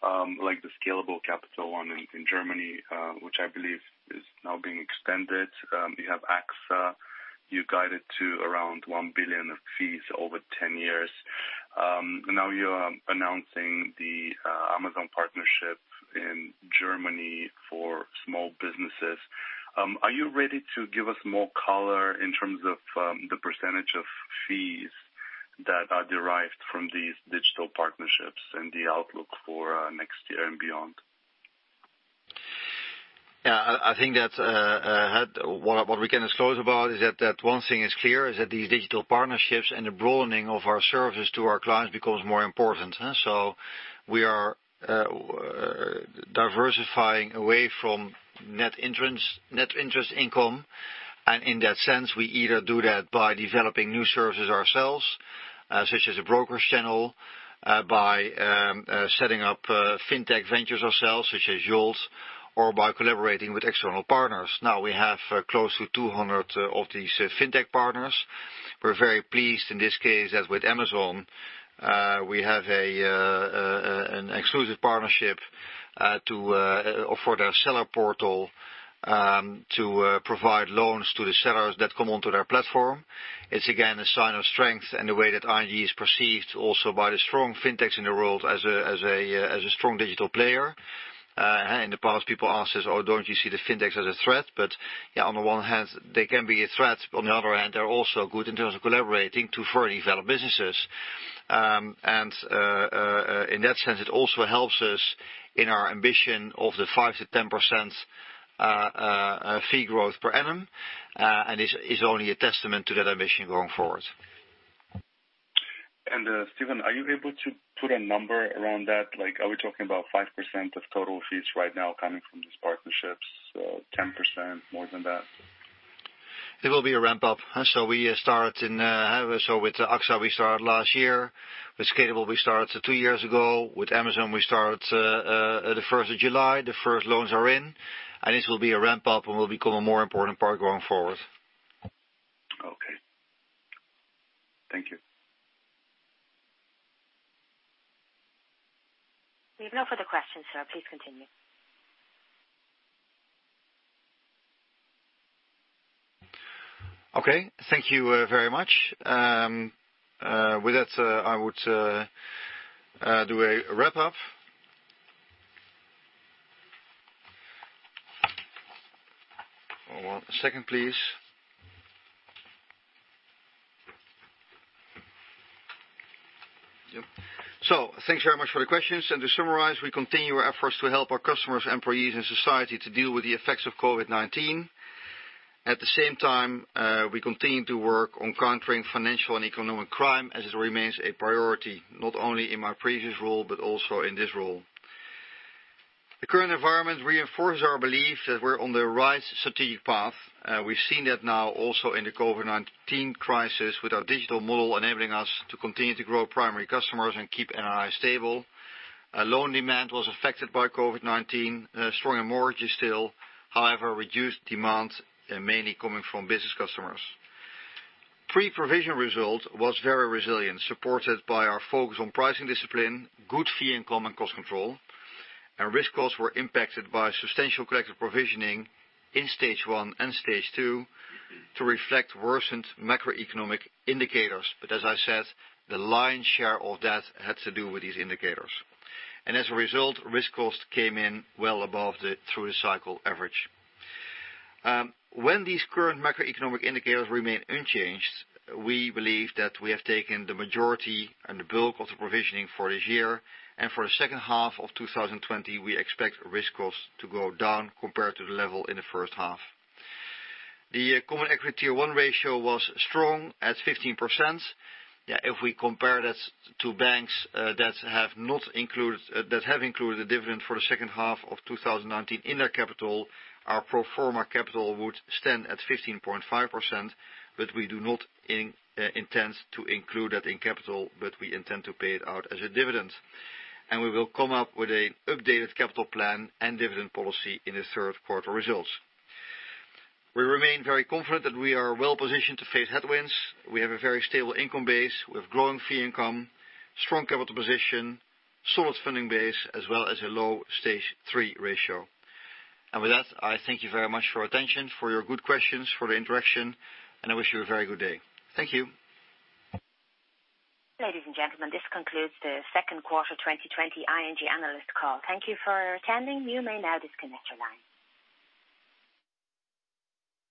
like the Scalable Capital one in Germany, which I believe is now being extended. You have AXA, you guided to around 1 billion of fees over 10 years. Now you are announcing the Amazon partnership in Germany for small businesses. Are you ready to give us more color in terms of the % of fees that are derived from these digital partnerships and the outlook for next year and beyond? I think that what we can disclose about is that one thing is clear, is that these digital partnerships and the broadening of our services to our clients becomes more important. We are diversifying away from net interest income, and in that sense, we either do that by developing new services ourselves such as a brokerage channel, by setting up fintech ventures ourselves, such as Yolt, or by collaborating with external partners. We have close to 200 of these fintech partners. We're very pleased in this case, as with Amazon, we have an exclusive partnership for their seller portal, to provide loans to the sellers that come onto their platform. It's again, a sign of strength and the way that ING is perceived also by the strong fintechs in the world as a strong digital player. In the past, people ask us, "Oh, don't you see the fintechs as a threat?" Yeah, on the one hand, they can be a threat. On the other hand, they're also good in terms of collaborating to further develop businesses. In that sense, it also helps us in our ambition of the 5% to 10% fee growth per annum. It is only a testament to that ambition going forward. Steven, are you able to put a number around that? Are we talking about 5% of total fees right now coming from these partnerships, or 10%, more than that? It will be a ramp-up. With AXA, we started last year. With Scalable, we started two years ago. With Amazon, we started the 1st of July, the first loans are in, and this will be a ramp-up and will become a more important part going forward. Okay. Thank you. We've no further questions, sir. Please continue. Okay. Thank you very much. With that, I would do a wrap-up. One second, please. Thanks very much for the questions. To summarize, we continue our efforts to help our customers, employees, and society to deal with the effects of COVID-19. At the same time, we continue to work on countering financial and economic crime as it remains a priority, not only in my previous role, but also in this role. The current environment reinforces our belief that we're on the right strategic path. We've seen that now also in the COVID-19 crisis, with our digital model enabling us to continue to grow primary customers and keep NII stable. Loan demand was affected by COVID-19. Stronger mortgages still, however, reduced demand mainly coming from business customers. Pre-provision result was very resilient, supported by our focus on pricing discipline, good fee income, and cost control. Risk costs were impacted by substantial collective provisioning in Stage 1 and Stage 2 to reflect worsened macroeconomic indicators. As I said, the lion's share of that had to do with these indicators. As a result, risk cost came in well above the through-the-cycle average. When these current macroeconomic indicators remain unchanged, we believe that we have taken the majority and the bulk of the provisioning for this year. For the second half of 2020, we expect risk costs to go down compared to the level in the first half. The Common Equity Tier 1 ratio was strong at 15%. If we compare that to banks that have included the dividend for the second half of 2019 in their capital, our pro forma capital would stand at 15.5%. We do not intend to include that in capital, but we intend to pay it out as a dividend. We will come up with an updated capital plan and dividend policy in the third quarter results. We remain very confident that we are well-positioned to face headwinds. We have a very stable income base with growing fee income, strong capital position, solid funding base, as well as a low Stage 3 ratio. With that, I thank you very much for your attention, for your good questions, for the interaction, and I wish you a very good day. Thank you. Ladies and gentlemen, this concludes the second quarter 2020 ING analyst call. Thank you for attending. You may now disconnect your line.